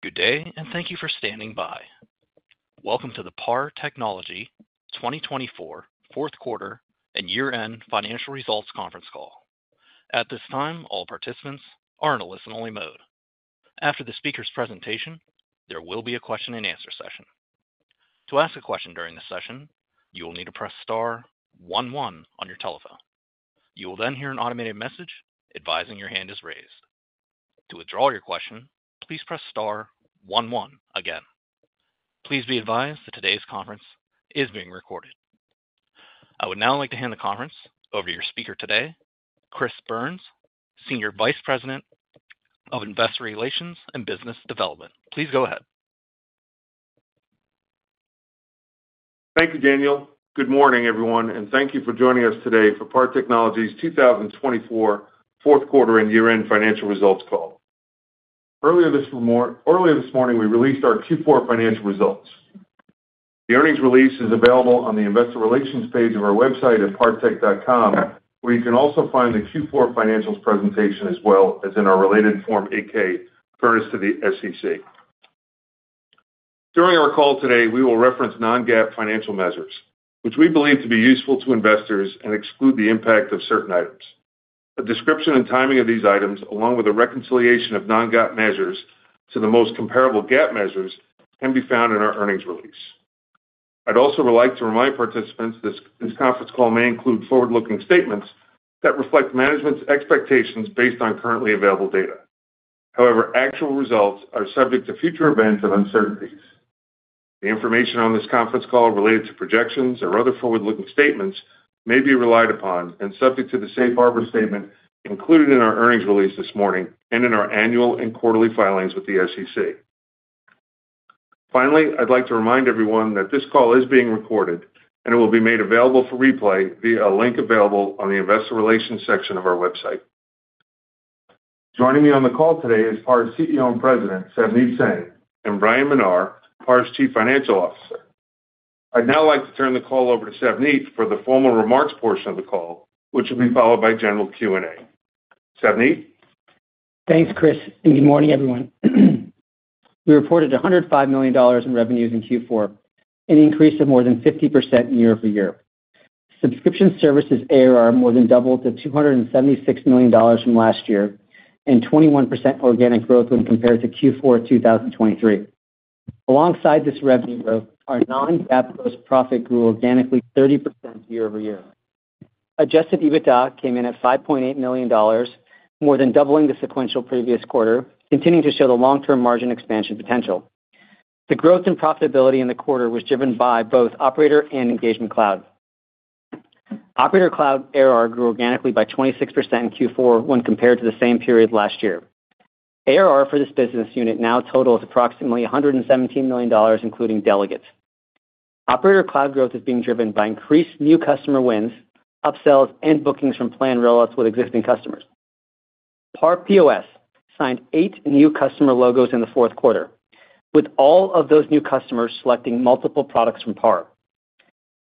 Good day, and thank you for standing by. Welcome to the PAR Technology 2024 Fourth Quarter and Year-End Financial Results Conference call. At this time, all participants are in a listen-only mode. After the speaker's presentation, there will be a question-and-answer session. To ask a question during this session, you will need to press star 11 on your telephone. You will then hear an automated message advising your hand is raised. To withdraw your question, please press star 11 again. Please be advised that today's conference is being recorded. I would now like to hand the conference over to your speaker today, Chris Byrnes, Senior Vice President of Investor Relations and Business Development. Please go ahead. Thank you, Daniel. Good morning, everyone, and thank you for joining us today for PAR Technology's 2024 Fourth Quarter and Year-End Financial Results call. Earlier this morning, we released our Q4 financial results. The earnings release is available on the Investor Relations page of our website at partech.com, where you can also find the Q4 financials presentation, as well as in our related Form 8-K to the SEC. During our call today, we will reference non-GAAP financial measures, which we believe to be useful to investors and exclude the impact of certain items. A description and timing of these items, along with a reconciliation of non-GAAP measures to the most comparable GAAP measures, can be found in our earnings release. I'd also like to remind participants that this conference call may include forward-looking statements that reflect management's expectations based on currently available data. However, actual results are subject to future events and uncertainties. The information on this conference call related to projections or other forward-looking statements may be relied upon and subject to the safe harbor statement included in our earnings release this morning and in our annual and quarterly filings with the SEC. Finally, I'd like to remind everyone that this call is being recorded, and it will be made available for replay via a link available on the Investor Relations section of our website. Joining me on the call today is PAR's CEO and President, Savneet Singh, and Bryan Menar, PAR's Chief Financial Officer. I'd now like to turn the call over to Savneet for the formal remarks portion of the call, which will be followed by general Q&A. Savneet? Thanks, Chris, and good morning, everyone. We reported $105 million in revenues in Q4, an increase of more than 50% year-over-year. Subscription services ARR more than doubled to $276 million from last year, and 21% organic growth when compared to Q4 of 2023. Alongside this revenue growth, our non-GAAP gross profit grew organically 30% year-over-year. Adjusted EBITDA came in at $5.8 million, more than doubling the sequential previous quarter, continuing to show the long-term margin expansion potential. The growth and profitability in the quarter was driven by both Operator Cloud and Engagement Cloud. Operator Cloud ARR grew organically by 26% in Q4 when compared to the same period last year. ARR for this business unit now totals approximately $117 million, including Delegate. Operator Cloud growth is being driven by increased new customer wins, upsells, and bookings from planned rollouts with existing customers. PAR POS signed eight new customer logos in the fourth quarter, with all of those new customers selecting multiple products from PAR.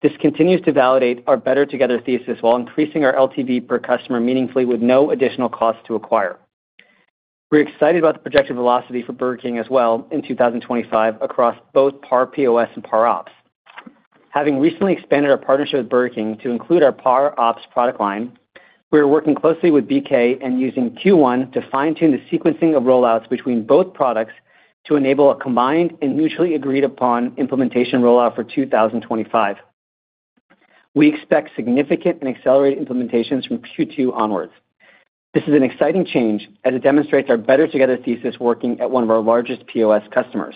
This continues to validate our better-together thesis while increasing our LTV per customer meaningfully with no additional costs to acquire. We're excited about the projected velocity for Burger King as well in 2025 across both PAR POS and PAR Ops. Having recently expanded our partnership with Burger King to include our PAR Ops product line, we are working closely with BK and using Q1 to fine-tune the sequencing of rollouts between both products to enable a combined and mutually agreed-upon implementation rollout for 2025. We expect significant and accelerated implementations from Q2 onwards. This is an exciting change as it demonstrates our better-together thesis working at one of our largest POS customers.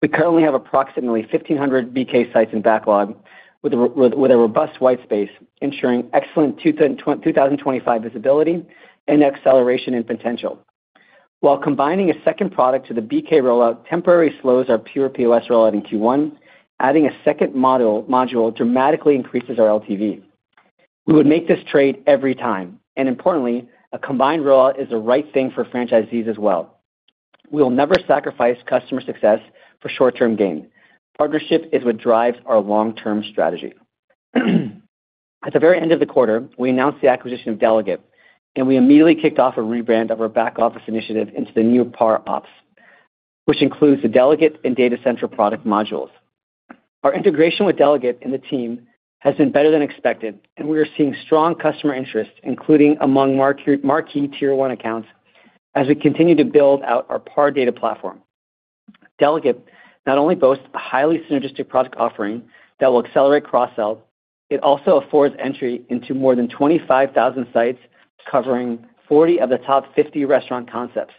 We currently have approximately 1,500 BK sites in backlog with a robust white space, ensuring excellent 2025 visibility and acceleration in potential. While combining a second product to the BK rollout temporarily slows our pure POS rollout in Q1, adding a second module dramatically increases our LTV. We would make this trade every time. Importantly, a combined rollout is the right thing for franchisees as well. We will never sacrifice customer success for short-term gain. Partnership is what drives our long-term strategy. At the very end of the quarter, we announced the acquisition of Delegate, and we immediately kicked off a rebrand of our back office initiative into the new PAR Ops, which includes the Delegate and Data Central product modules. Our integration with Delegate and the team has been better than expected, and we are seeing strong customer interest, including among marquee tier-one accounts, as we continue to build out our PAR data platform. Delegate not only boasts a highly synergistic product offering that will accelerate cross-sell, it also affords entry into more than 25,000 sites covering 40 of the top 50 restaurant concepts.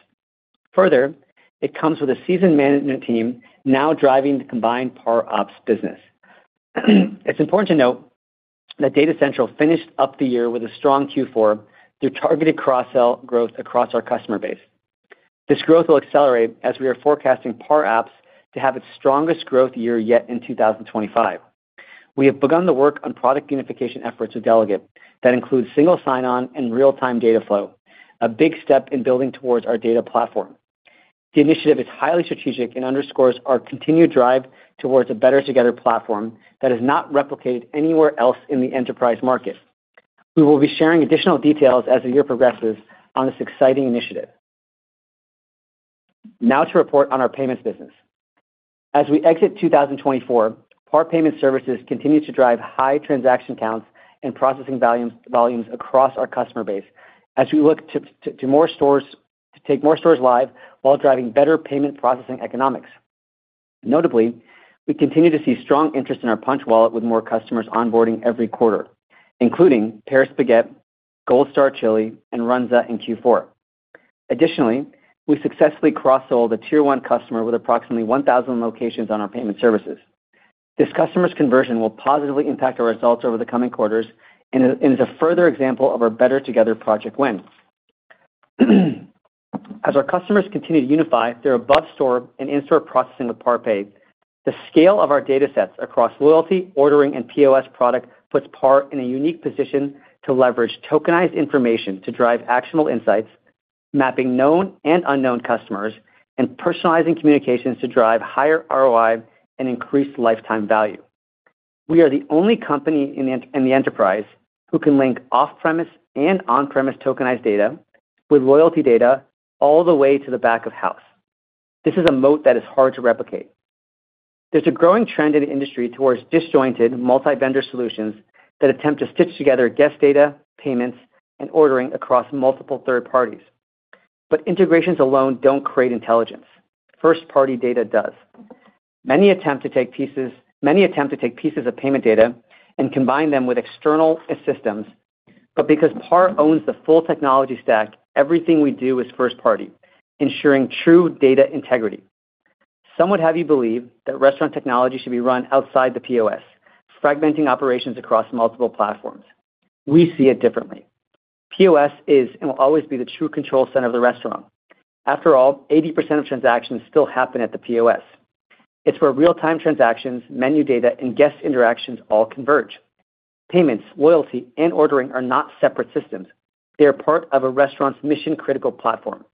Further, it comes with a seasoned management team now driving the combined PAR Ops business. It's important to note that Data Central finished up the year with a strong Q4 through targeted cross-sell growth across our customer base. This growth will accelerate as we are forecasting PAR Ops to have its strongest growth year yet in 2025. We have begun the work on product unification efforts with Delegate that include single sign-on and real-time data flow, a big step in building towards our data platform. The initiative is highly strategic and underscores our continued drive towards a better-together platform that is not replicated anywhere else in the enterprise market. We will be sharing additional details as the year progresses on this exciting initiative. Now to report on our payments business. As we exit 2024, PAR Payment Services continue to drive high transaction counts and processing volumes across our customer base as we look to take more stores live while driving better payment processing economics. Notably, we continue to see strong interest in our Punchh Wallet with more customers onboarding every quarter, including Paris Baguette, Gold Star Chili, and Runza in Q4. Additionally, we successfully cross-sold a tier-one customer with approximately 1,000 locations on our payment services. This customer's conversion will positively impact our results over the coming quarters and is a further example of our better-together project win. As our customers continue to unify their above-store and in-store processing with PAR Pay, the scale of our data sets across loyalty, ordering, and POS product puts PAR in a unique position to leverage tokenized information to drive actionable insights, mapping known and unknown customers, and personalizing communications to drive higher ROI and increased lifetime value. We are the only company in the enterprise who can link off-premise and on-premise tokenized data with loyalty data all the way to the back of house. This is a moat that is hard to replicate. There's a growing trend in the industry towards disjointed multi-vendor solutions that attempt to stitch together guest data, payments, and ordering across multiple third parties. But integrations alone don't create intelligence. First-party data does. Many attempt to take pieces of payment data and combine them with external systems. But because PAR owns the full technology stack, everything we do is first-party, ensuring true data integrity. Some would have you believe that restaurant technology should be run outside the POS, fragmenting operations across multiple platforms. We see it differently. POS is and will always be the true control center of the restaurant. After all, 80% of transactions still happen at the POS. It's where real-time transactions, MENU data, and guest interactions all converge. Payments, loyalty, and ordering are not separate systems. They are part of a restaurant's mission-critical platform.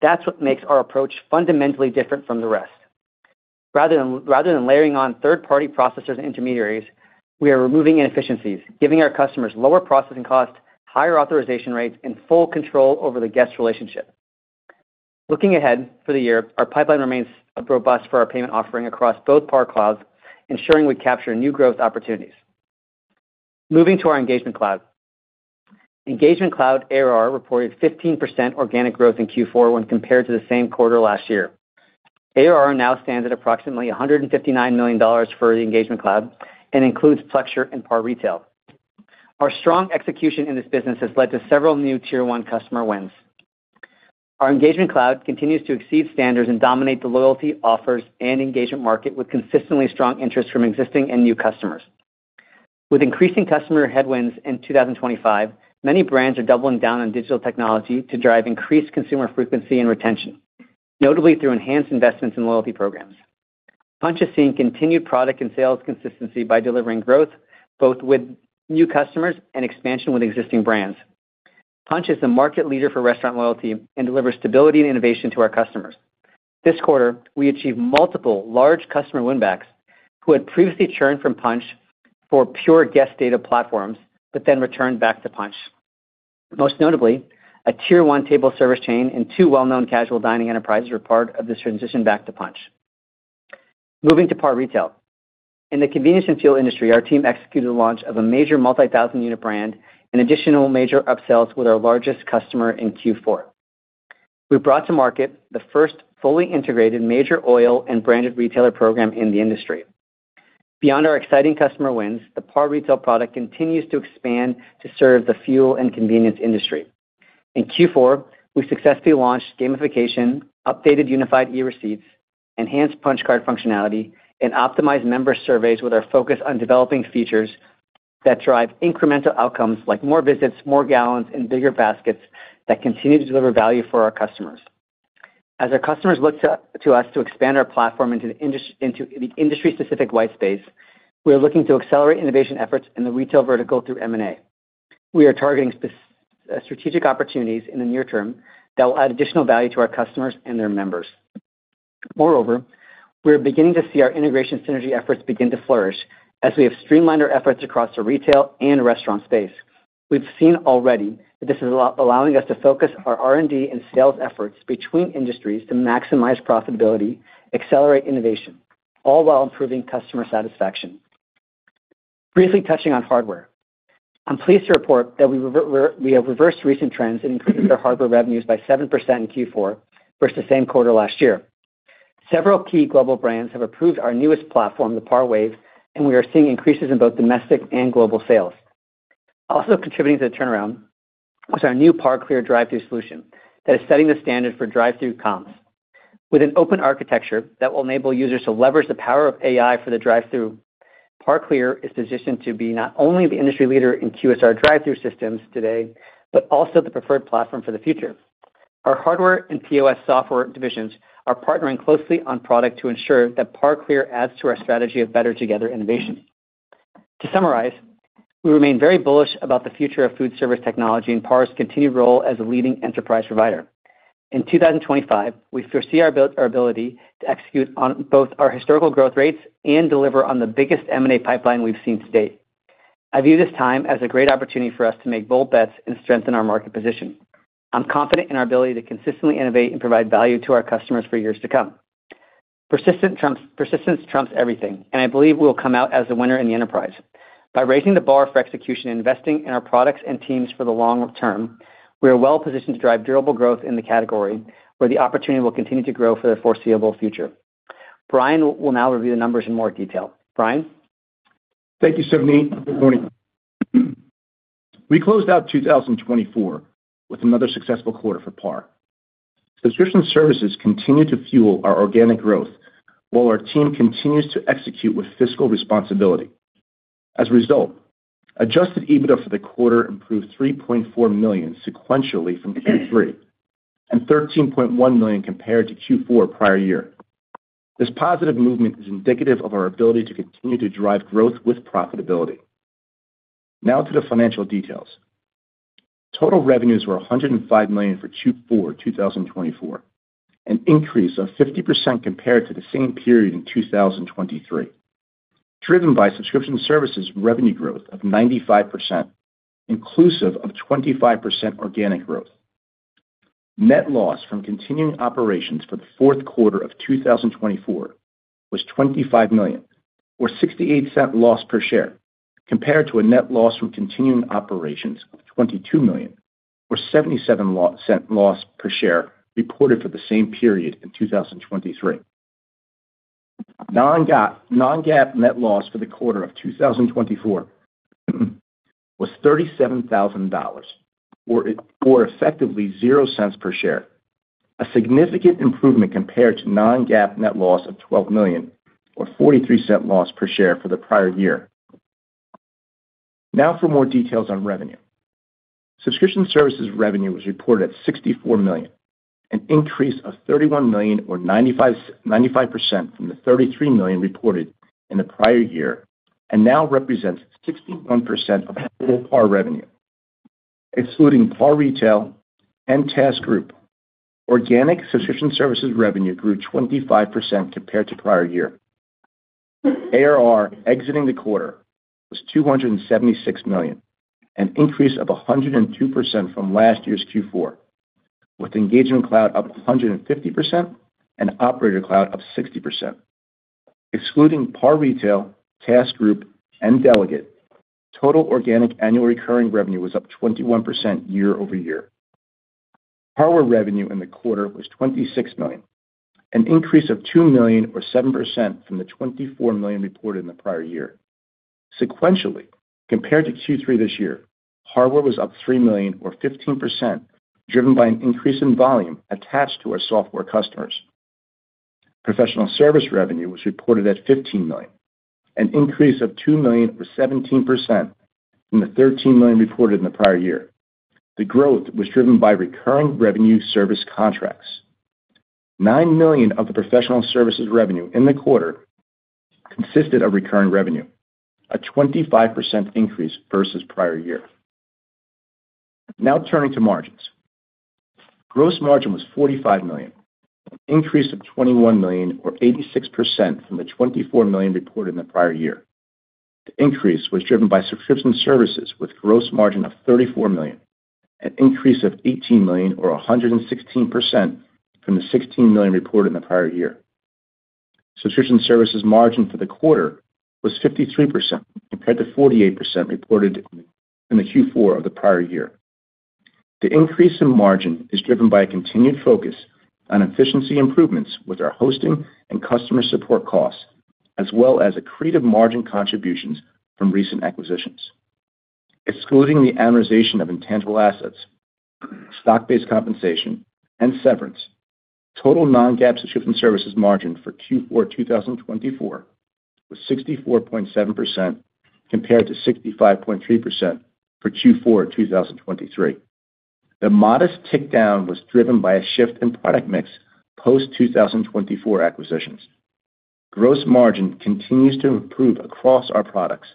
That's what makes our approach fundamentally different from the rest. Rather than layering on third-party processors and intermediaries, we are removing inefficiencies, giving our customers lower processing costs, higher authorization rates, and full control over the guest relationship. Looking ahead for the year, our pipeline remains robust for our payment offering across both PAR Clouds, ensuring we capture new growth opportunities. Moving to our Engagement Cloud. Engagement Cloud ARR reported 15% organic growth in Q4 when compared to the same quarter last year. ARR now stands at approximately $159 million for the Engagement Cloud and includes Plexure and PAR Retail. Our strong execution in this business has led to several new tier-one customer wins. Our Engagement Cloud continues to exceed standards and dominate the loyalty, offers, and engagement market with consistently strong interest from existing and new customers. With increasing customer headwinds in 2025, many brands are doubling down on digital technology to drive increased consumer frequency and retention, notably through enhanced investments in loyalty programs. Punchh is seeing continued product and sales consistency by delivering growth both with new customers and expansion with existing brands. Punchh is the market leader for restaurant loyalty and delivers stability and innovation to our customers. This quarter, we achieved multiple large customer win-backs who had previously churned from Punchh for pure guest data platforms but then returned back to Punchh. Most notably, a tier-one table service chain and two well-known casual dining enterprises were part of this transition back to Punchh. Moving to PAR Retail. In the convenience and fuel industry, our team executed the launch of a major multi-thousand-unit brand and additional major upsells with our largest customer in Q4. We brought to market the first fully integrated major oil and branded retailer program in the industry. Beyond our exciting customer wins, the PAR Retail product continues to expand to serve the fuel and convenience industry. In Q4, we successfully launched gamification, updated unified e-receipts, enhanced Punchh card functionality, and optimized member surveys with our focus on developing features that drive incremental outcomes like more visits, more gallons, and bigger baskets that continue to deliver value for our customers. As our customers look to us to expand our platform into the industry-specific white space, we are looking to accelerate innovation efforts in the retail vertical through M&A. We are targeting strategic opportunities in the near term that will add additional value to our customers and their members. Moreover, we are beginning to see our integration synergy efforts begin to flourish as we have streamlined our efforts across the retail and restaurant space. We've seen already that this is allowing us to focus our R&D and sales efforts between industries to maximize profitability, accelerate innovation, all while improving customer satisfaction. Briefly touching on hardware. I'm pleased to report that we have reversed recent trends and increased our hardware revenues by 7% in Q4 versus the same quarter last year. Several key global brands have approved our newest platform, the PAR Wave, and we are seeing increases in both domestic and global sales. Also contributing to the turnaround was our new PAR Clear drive-through solution that is setting the standard for drive-through comms. With an open architecture that will enable users to leverage the power of AI for the drive-through, PAR Clear is positioned to be not only the industry leader in QSR drive-through systems today, but also the preferred platform for the future. Our hardware and POS software divisions are partnering closely on product to ensure that PAR Clear adds to our strategy of better-together innovation. To summarize, we remain very bullish about the future of food service technology and PAR's continued role as a leading enterprise provider. In 2025, we foresee our ability to execute on both our historical growth rates and deliver on the biggest M&A pipeline we've seen to date. I view this time as a great opportunity for us to make bold bets and strengthen our market position. I'm confident in our ability to consistently innovate and provide value to our customers for years to come. Persistence trumps everything, and I believe we will come out as a winner in the enterprise. By raising the bar for execution and investing in our products and teams for the long term, we are well-positioned to drive durable growth in the category where the opportunity will continue to grow for the foreseeable future. Bryan will now review the numbers in more detail. Bryan? Thank you, Savneet. Good morning. We closed out 2024 with another successful quarter for PAR. Subscription services continue to fuel our organic growth while our team continues to execute with fiscal responsibility. As a result, Adjusted EBITDA for the quarter improved $3.4 million sequentially from Q3 and $13.1 million compared to Q4 prior year. This positive movement is indicative of our ability to continue to drive growth with profitability. Now to the financial details. Total revenues were $105 million for Q4 2024, an increase of 50% compared to the same period in 2023, driven by subscription services revenue growth of 95%, inclusive of 25% organic growth. Net loss from continuing operations for the fourth quarter of 2024 was $25 million, or $0.68 loss per share, compared to a net loss from continuing operations of $22 million, or $0.77 loss per share reported for the same period in 2023. Non-GAAP net loss for the quarter of 2024 was $37,000, or effectively $0.00 per share, a significant improvement compared to non-GAAP net loss of $12 million, or $0.43 loss per share for the prior year. Now for more details on revenue. Subscription services revenue was reported at $64 million, an increase of $31 million, or 95% from the $33 million reported in the prior year, and now represents 61% of all PAR revenue. Excluding PAR Retail and TASK Group, organic subscription services revenue grew 25% compared to prior year. ARR exiting the quarter was $276 million, an increase of 102% from last year's Q4, with Engagement Cloud up 150% and Operator Cloud up 60%. Excluding PAR Retail, TASK Group, and Delegate, total organic annual recurring revenue was up 21% year over year. Hardware revenue in the quarter was $26 million, an increase of $2 million, or 7% from the $24 million reported in the prior year. Sequentially, compared to Q3 this year, hardware was up $3 million, or 15%, driven by an increase in volume attached to our software customers. Professional service revenue was reported at $15 million, an increase of $2 million, or 17%, from the $13 million reported in the prior year. The growth was driven by recurring revenue service contracts. $9 million of the professional services revenue in the quarter consisted of recurring revenue, a 25% increase versus prior year. Now turning to margins. Gross margin was $45 million, an increase of $21 million, or 86% from the $24 million reported in the prior year. The increase was driven by subscription services with gross margin of $34 million, an increase of $18 million, or 116% from the $16 million reported in the prior year. Subscription services margin for the quarter was 53% compared to 48% reported in the Q4 of the prior year. The increase in margin is driven by a continued focus on efficiency improvements with our hosting and customer support costs, as well as accretive margin contributions from recent acquisitions. Excluding the amortization of intangible assets, stock-based compensation, and severance, total non-GAAP subscription services margin for Q4 2024 was 64.7% compared to 65.3% for Q4 2023. The modest tickdown was driven by a shift in product mix post-2024 acquisitions. Gross margin continues to improve across our products,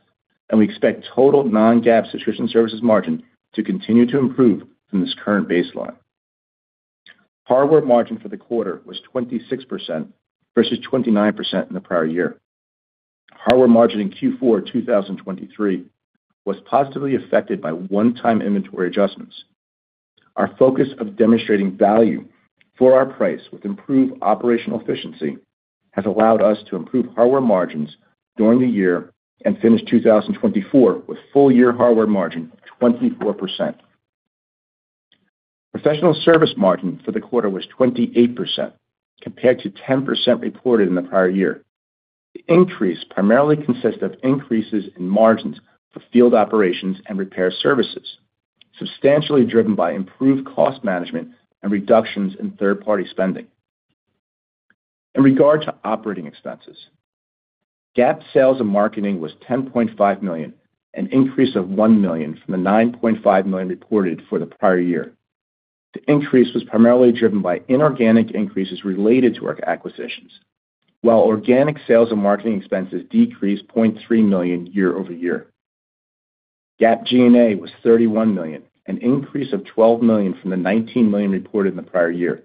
and we expect total non-GAAP subscription services margin to continue to improve from this current baseline. Hardware margin for the quarter was 26% versus 29% in the prior year. Hardware margin in Q4 2023 was positively affected by one-time inventory adjustments. Our focus of demonstrating value for our price with improved operational efficiency has allowed us to improve hardware margins during the year and finish 2024 with full-year hardware margin of 24%. Professional service margin for the quarter was 28% compared to 10% reported in the prior year. The increase primarily consists of increases in margins for field operations and repair services, substantially driven by improved cost management and reductions in third-party spending. In regard to operating expenses, GAAP sales and marketing was $10.5 million, an increase of $1 million from the $9.5 million reported for the prior year. The increase was primarily driven by inorganic increases related to our acquisitions, while organic sales and marketing expenses decreased $0.3 million year over year. GAAP G&A was $31 million, an increase of $12 million from the $19 million reported in the prior year.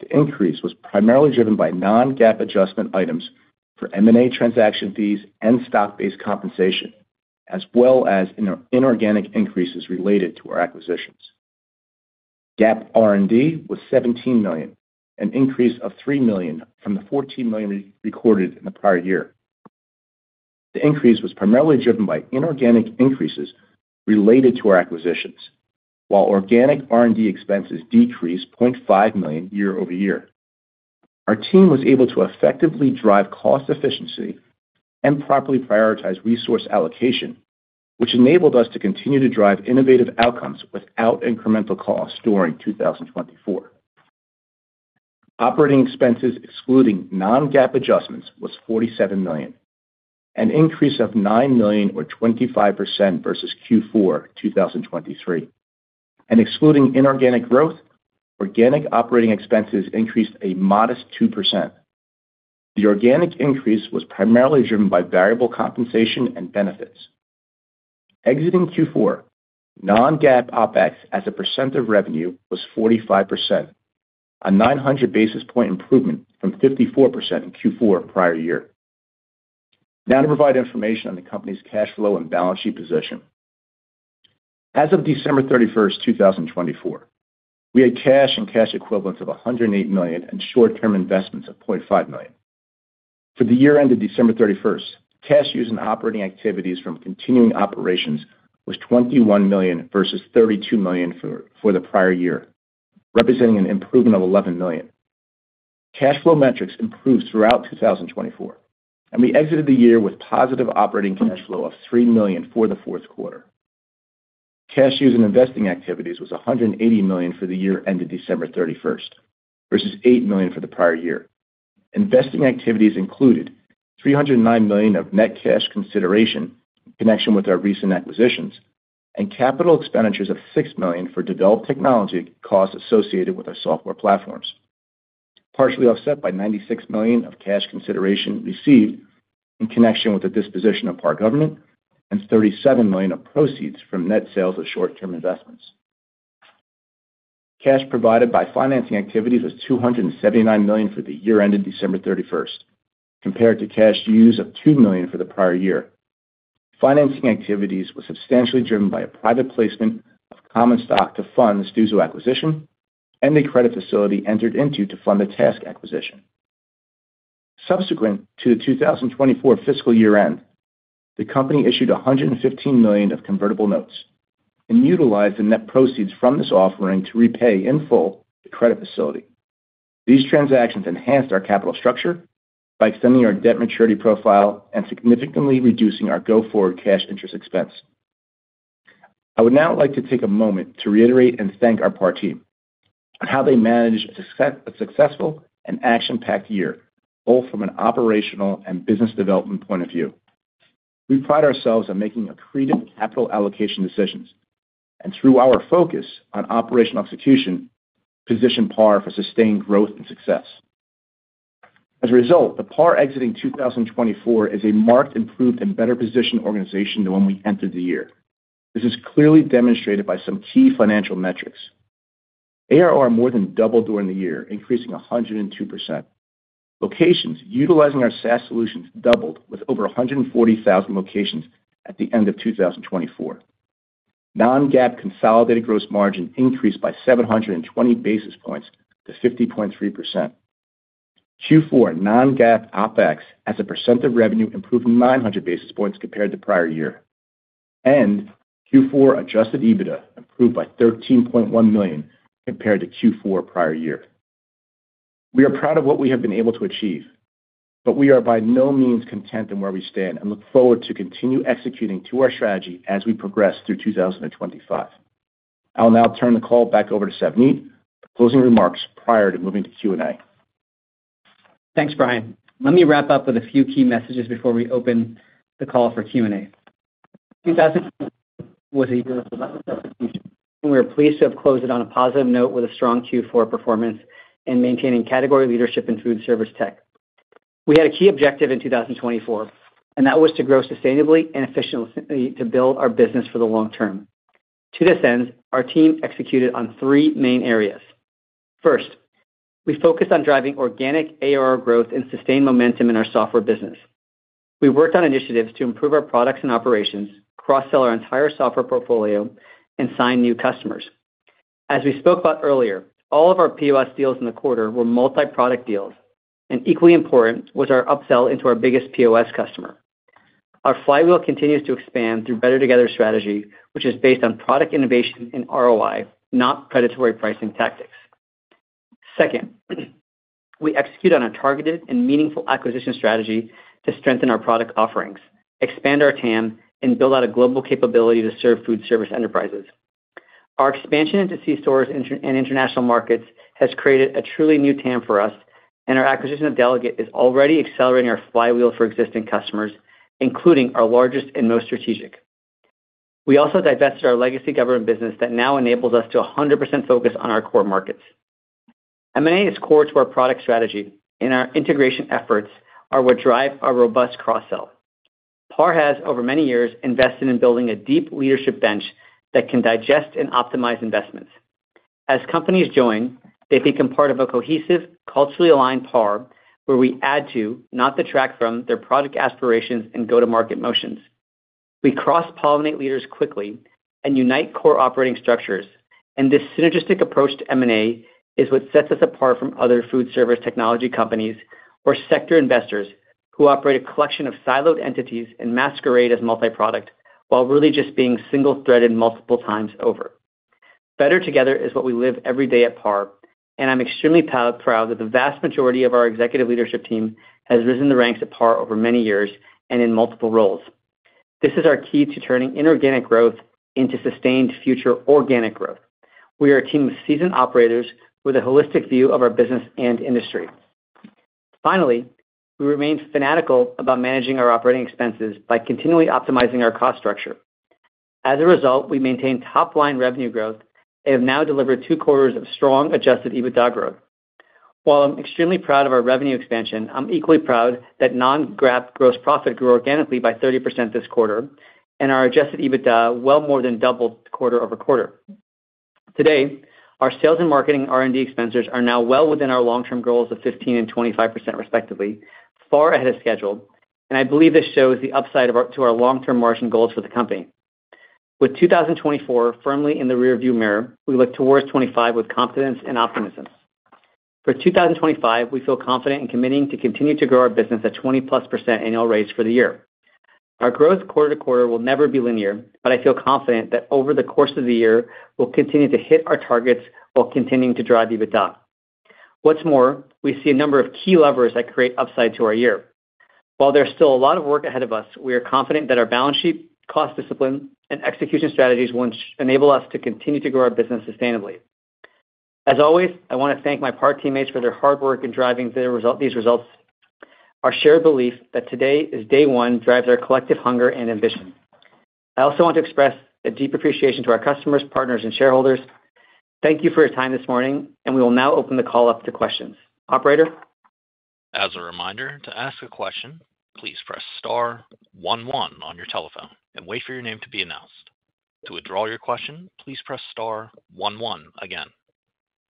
The increase was primarily driven by non-GAAP adjustment items for M&A transaction fees and stock-based compensation, as well as inorganic increases related to our acquisitions. GAAP R&D was $17 million, an increase of $3 million from the $14 million recorded in the prior year. The increase was primarily driven by inorganic increases related to our acquisitions, while organic R&D expenses decreased $0.5 million year over year. Our team was able to effectively drive cost efficiency and properly prioritize resource allocation, which enabled us to continue to drive innovative outcomes without incremental costs during 2024. Operating expenses, excluding non-GAAP adjustments, was $47 million, an increase of $9 million, or 25% versus Q4 2023, and excluding inorganic growth, organic operating expenses increased a modest 2%. The organic increase was primarily driven by variable compensation and benefits. Exiting Q4, non-GAAP OpEx as a percent of revenue was 45%, a 900 basis point improvement from 54% in Q4 prior year. Now to provide information on the company's cash flow and balance sheet position. As of December 31st, 2024, we had cash and cash equivalents of $108 million and short-term investments of $0.5 million. For the year-end of December 31st, cash used in operating activities from continuing operations was $21 million versus $32 million for the prior year, representing an improvement of $11 million. Cash flow metrics improved throughout 2024, and we exited the year with positive operating cash flow of $3 million for the fourth quarter. Cash used in investing activities was $180 million for the year-end of December 31st versus $8 million for the prior year. Investing activities included $309 million of net cash consideration in connection with our recent acquisitions and capital expenditures of $6 million for developed technology costs associated with our software platforms. Partially offset by $96 million of cash consideration received in connection with the disposition of PAR Government and $37 million of proceeds from net sales of short-term investments. Cash provided by financing activities was $279 million for the year ended December 31st compared to cash used of $2 million for the prior year. Financing activities were substantially driven by a private placement of common stock to fund the Stuzo acquisition and a credit facility entered into to fund the TASK acquisition. Subsequent to the 2024 fiscal year-end, the company issued $115 million of convertible notes and utilized the net proceeds from this offering to repay in full the credit facility. These transactions enhanced our capital structure by extending our debt maturity profile and significantly reducing our go-forward cash interest expense. I would now like to take a moment to reiterate and thank our PAR team on how they managed a successful and action-packed year, both from an operational and business development point of view. We pride ourselves on making accretive capital allocation decisions and, through our focus on operational execution, position PAR for sustained growth and success. As a result, the PAR exiting 2024 is a markedly improved and better-positioned organization than when we entered the year. This is clearly demonstrated by some key financial metrics. ARR more than doubled during the year, increasing 102%. Locations, utilizing our SaaS solutions, doubled with over 140,000 locations at the end of 2024. Non-GAAP consolidated gross margin increased by 720 basis points to 50.3%. Q4 non-GAAP OpEx as a % of revenue improved 900 basis points compared to prior year. End Q4 Adjusted EBITDA improved by $13.1 million compared to Q4 prior year. We are proud of what we have been able to achieve, but we are by no means content in where we stand and look forward to continue executing to our strategy as we progress through 2025. I'll now turn the call back over to Savneet for closing remarks prior to moving to Q&A. Thanks, Bryan. Let me wrap up with a few key messages before we open the call for Q&A. 2024 was a year of execution, and we're pleased to have closed it on a positive note with a strong Q4 performance and maintaining category leadership in food service tech. We had a key objective in 2024, and that was to grow sustainably and efficiently to build our business for the long term. To this end, our team executed on three main areas. First, we focused on driving organic ARR growth and sustained momentum in our software business. We worked on initiatives to improve our products and operations, cross-sell our entire software portfolio, and sign new customers. As we spoke about earlier, all of our POS deals in the quarter were multi-product deals, and equally important was our upsell into our biggest POS customer. Our flywheel continues to expand through Better Together strategy, which is based on product innovation and ROI, not predatory pricing tactics. Second, we executed on a targeted and meaningful acquisition strategy to strengthen our product offerings, expand our TAM, and build out a global capability to serve food service enterprises. Our expansion into c-stores and international markets has created a truly new TAM for us, and our acquisition of Delegate is already accelerating our flywheel for existing customers, including our largest and most strategic. We also divested our legacy government business that now enables us to 100% focus on our core markets. M&A is core to our product strategy, and our integration efforts are what drive our robust cross-sell. PAR has, over many years, invested in building a deep leadership bench that can digest and optimize investments. As companies join, they become part of a cohesive, culturally aligned PAR, where we add to, not detract from, their product aspirations and go-to-market motions. We cross-pollinate leaders quickly and unite core operating structures, and this synergistic approach to M&A is what sets us apart from other food service technology companies or sector investors who operate a collection of siloed entities and masquerade as multi-product while really just being single-threaded multiple times over. Better Together is what we live every day at PAR, and I'm extremely proud that the vast majority of our executive leadership team has risen the ranks at PAR over many years and in multiple roles. This is our key to turning inorganic growth into sustained future organic growth. We are a team of seasoned operators with a holistic view of our business and industry. Finally, we remain fanatical about managing our operating expenses by continually optimizing our cost structure. As a result, we maintain top-line revenue growth and have now delivered two quarters of strong Adjusted EBITDA growth. While I'm extremely proud of our revenue expansion, I'm equally proud that non-GAAP gross profit grew organically by 30% this quarter, and our Adjusted EBITDA well more than doubled quarter over quarter. Today, our sales and marketing R&D expenses are now well within our long-term goals of 15% and 25% respectively, far ahead of schedule, and I believe this shows the upside to our long-term margin goals for the company. With 2024 firmly in the rearview mirror, we look towards 2025 with confidence and optimism. For 2025, we feel confident in committing to continue to grow our business at 20-plus% annual rates for the year. Our growth quarter to quarter will never be linear, but I feel confident that over the course of the year, we'll continue to hit our targets while continuing to drive EBITDA. What's more, we see a number of key levers that create upside to our year. While there's still a lot of work ahead of us, we are confident that our balance sheet, cost discipline, and execution strategies will enable us to continue to grow our business sustainably. As always, I want to thank my PAR teammates for their hard work in driving these results. Our shared belief that today is day one drives our collective hunger and ambition. I also want to express a deep appreciation to our customers, partners, and shareholders. Thank you for your time this morning, and we will now open the call up to questions. Operator. As a reminder, to ask a question, please press star 11 on your telephone and wait for your name to be announced. To withdraw your question, please press star 11 again.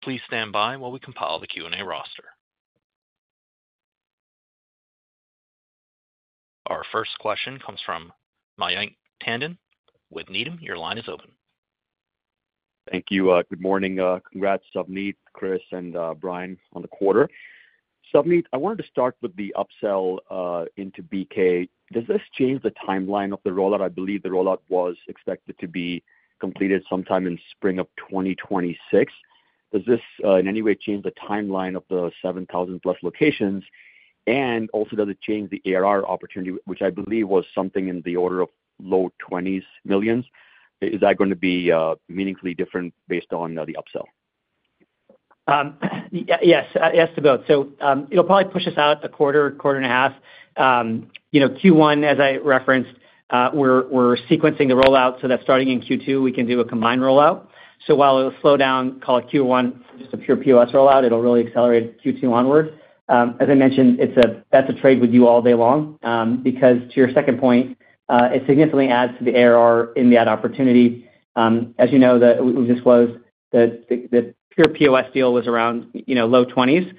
Please stand by while we compile the Q&A roster. Our first question comes from Mayank Tandon with Needham. Your line is open. Thank you. Good morning. Congrats, Savneet, Chris, and Bryan on the quarter. Savneet, I wanted to start with the upsell into BK. Does this change the timeline of the rollout? I believe the rollout was expected to be completed sometime in spring of 2026. Does this in any way change the timeline of the 7,000-plus locations? And also, does it change the ARR opportunity, which I believe was something in the order of low $20s million? Is that going to be meaningfully different based on the upsell? Yes, as asked about. So it'll probably push us out a quarter, quarter and a half. Q1, as I referenced, we're sequencing the rollout so that starting in Q2, we can do a combined rollout. So while it'll slow down, call it Q1, just a pure POS rollout, it'll really accelerate Q2 onward. As I mentioned, that's a trade-off you'll take all day long because, to your second point, it significantly adds to the ARR and ad opportunity. As you know, we've disclosed that the pure POS deal was around low 20s.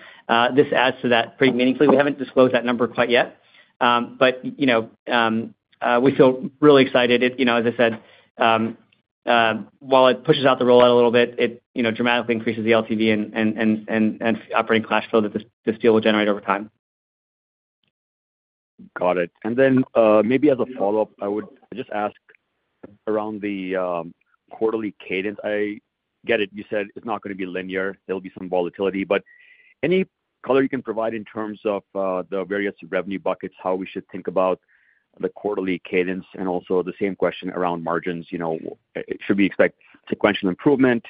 This adds to that pretty meaningfully. We haven't disclosed that number quite yet, but we feel really excited. As I said, while it pushes out the rollout a little bit, it dramatically increases the LTV and operating cash flow that this deal will generate over time. Got it. And then maybe as a follow-up, I would just ask about the quarterly cadence. I get it. You said it's not going to be linear. There'll be some volatility. But any color you can provide in terms of the various revenue buckets, how we should think about the quarterly cadence, and also the same question around margins. Should we expect sequential improvement,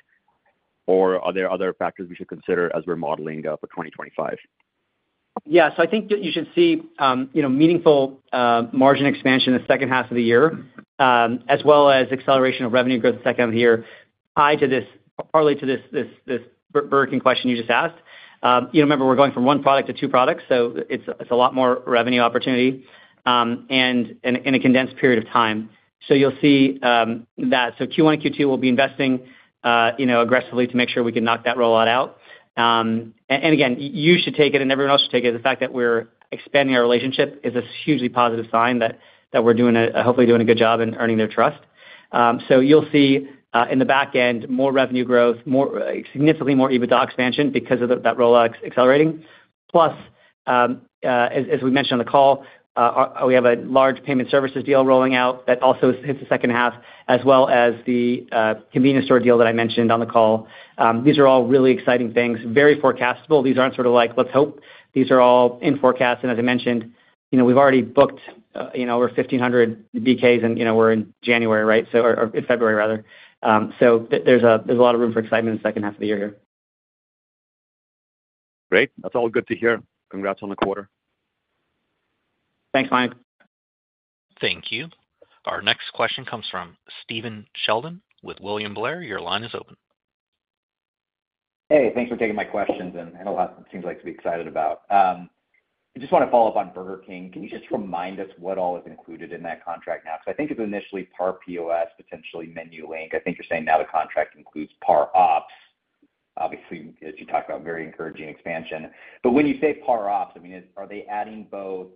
or are there other factors we should consider as we're modeling for 2025? Yeah. So I think you should see meaningful margin expansion in the second half of the year, as well as acceleration of revenue growth in the second half of the year, partly to this Brink question you just asked. Remember, we're going from one product to two products, so it's a lot more revenue opportunity in a condensed period of time. So you'll see that. So Q1 and Q2, we'll be investing aggressively to make sure we can knock that rollout out. And again, you should take it, and everyone else should take it. The fact that we're expanding our relationship is a hugely positive sign that we're hopefully doing a good job in earning their trust. So you'll see in the back end more revenue growth, significantly more EBITDA expansion because of that rollout accelerating. Plus, as we mentioned on the call, we have a large payment services deal rolling out that also hits the second half, as well as the convenience store deal that I mentioned on the call. These are all really exciting things, very forecastable. These aren't sort of like, "Let's hope." These are all in forecast. And as I mentioned, we've already booked over 1,500 BKs, and we're in January, right? Or in February, rather. So there's a lot of room for excitement in the second half of the year here. Great. That's all good to hear. Congrats on the quarter. Thanks, Mike. Thank you. Our next question comes from Stephen Sheldon with William Blair. Your line is open. Hey, thanks for taking my questions. And it seems like it's to be excited about. I just want to follow up on Burger King. Can you just remind us what all is included in that contract now? Because I think it's initially PAR POS, potentially MenuLink. I think you're saying now the contract includes PAR Ops. Obviously, as you talked about, very encouraging expansion. But when you say PAR Ops, I mean, are they adding both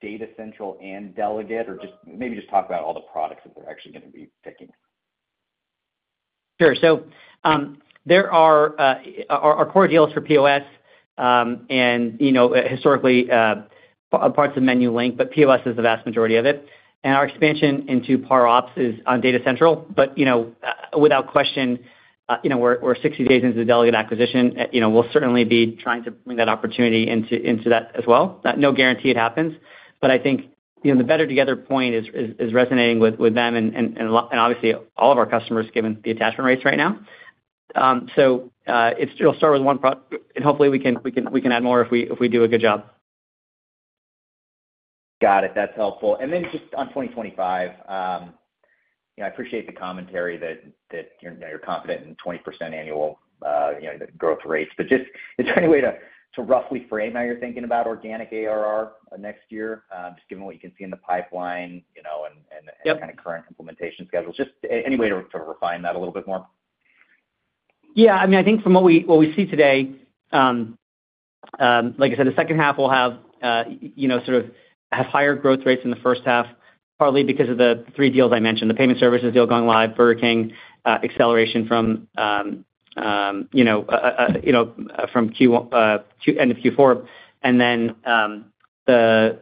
Data Central and Delegate, or maybe just talk about all the products that they're actually going to be picking? Sure. So there are our core deals for POS, and historically, parts of MenuLink, but POS is the vast majority of it. And our expansion into PAR Ops is on Data Central. But without question, we're 60 days into the Delegate acquisition. We'll certainly be trying to bring that opportunity into that as well. No guarantee it happens. But I think the Better Together point is resonating with them and obviously all of our customers given the attachment rates right now. So it'll start with one product, and hopefully, we can add more if we do a good job. Got it. That's helpful. And then just on 2025, I appreciate the commentary that you're confident in 20% annual growth rates. But just is there any way to roughly frame how you're thinking about organic ARR next year, just given what you can see in the pipeline and kind of current implementation schedules? Just any way to refine that a little bit more? Yeah. I mean, I think from what we see today, like I said, the second half will have sort of higher growth rates than the first half, partly because of the three deals I mentioned: the payment services deal going live, Burger King acceleration from end of Q4, and then the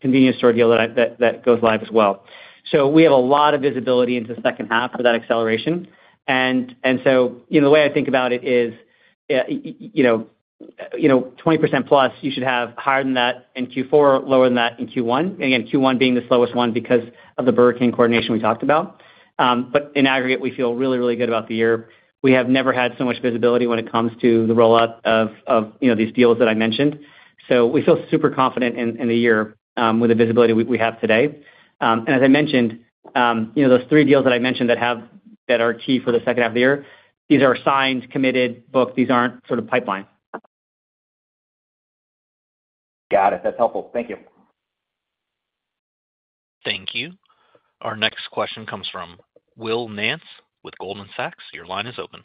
convenience store deal that goes live as well. So we have a lot of visibility into the second half for that acceleration. And so the way I think about it is 20% plus, you should have higher than that in Q4, lower than that in Q1. Again, Q1 being the slowest one because of the Burger King coordination we talked about. But in aggregate, we feel really, really good about the year. We have never had so much visibility when it comes to the rollout of these deals that I mentioned. So we feel super confident in the year with the visibility we have today. And as I mentioned, those three deals that I mentioned that are key for the second half of the year, these are signed, committed, booked. These aren't sort of pipeline. Got it. That's helpful. Thank you. Thank you. Our next question comes from Will Nance with Goldman Sachs. Your line is open.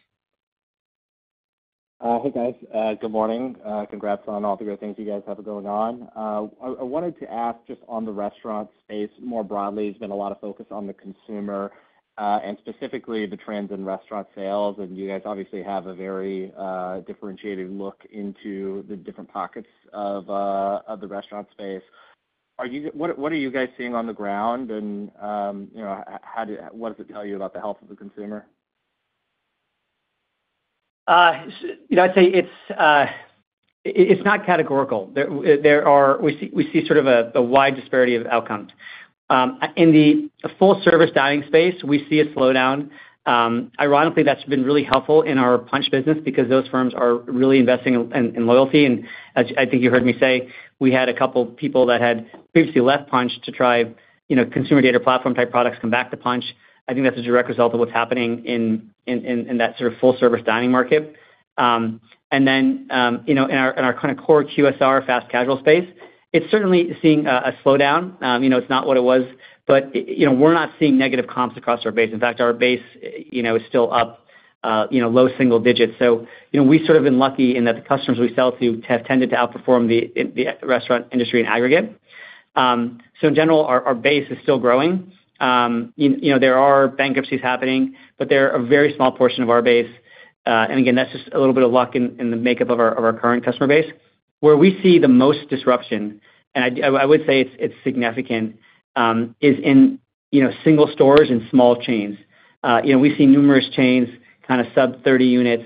Hey, guys. Good morning. Congrats on all the great things you guys have going on. I wanted to ask just on the restaurant space more broadly. There's been a lot of focus on the consumer and specifically the trends in restaurant sales. And you guys obviously have a very differentiated look into the different pockets of the restaurant space. What are you guys seeing on the ground, and what does it tell you about the health of the consumer? I'd say it's not categorical. We see sort of a wide disparity of outcomes. In the full-service dining space, we see a slowdown. Ironically, that's been really helpful in our Punchh business because those firms are really investing in loyalty. And I think you heard me say we had a couple of people that had previously left Punchh to try consumer data platform-type products come back to Punchh. I think that's a direct result of what's happening in that sort of full-service dining market. And then in our kind of core QSR fast casual space, it's certainly seeing a slowdown. It's not what it was, but we're not seeing negative comps across our base. In fact, our base is still up low single digits. So we've sort of been lucky in that the customers we sell to have tended to outperform the restaurant industry in aggregate. So in general, our base is still growing. There are bankruptcies happening, but they're a very small portion of our base. And again, that's just a little bit of luck in the makeup of our current customer base. Where we see the most disruption, and I would say it's significant, is in single stores and small chains. We see numerous chains kind of sub 30 units,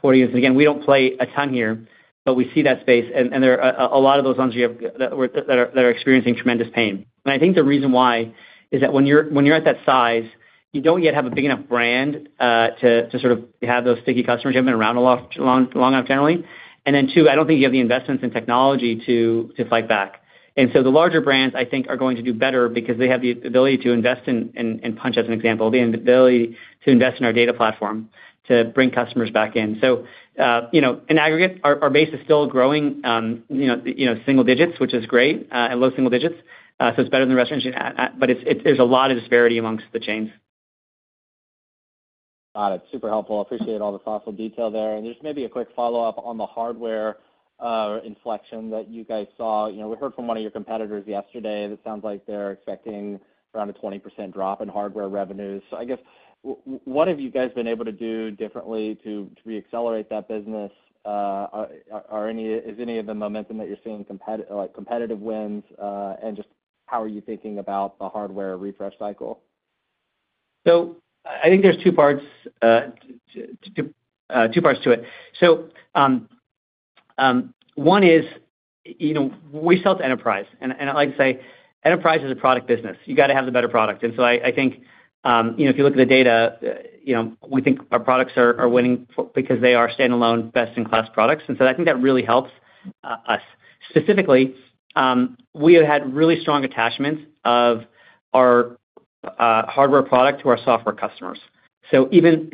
40 units. And again, we don't play a ton here, but we see that space. And there are a lot of those ones that are experiencing tremendous pain. And I think the reason why is that when you're at that size, you don't yet have a big enough brand to sort of have those sticky customers you haven't been around long enough, generally. And then two, I don't think you have the investments in technology to fight back. And so the larger brands, I think, are going to do better because they have the ability to invest in Punchh, as an example, the ability to invest in our data platform to bring customers back in. So in aggregate, our base is still growing single digits, which is great, and low single digits. So it's better than the restaurant industry, but there's a lot of disparity amongst the chains. Got it. Super helpful. I appreciate all the thoughtful detail there. And there's maybe a quick follow-up on the hardware inflection that you guys saw. We heard from one of your competitors yesterday that it sounds like they're expecting around a 20% drop in hardware revenues. So I guess, what have you guys been able to do differently to re-accelerate that business? Is any of the momentum that you're seeing competitive wins, and just how are you thinking about the hardware refresh cycle? So I think there's two parts to it. So one is we sell to enterprise. And I like to say enterprise is a product business. You got to have the better product. And so I think if you look at the data, we think our products are winning because they are standalone, best-in-class products. And so I think that really helps us. Specifically, we have had really strong attachments of our hardware product to our software customers. So even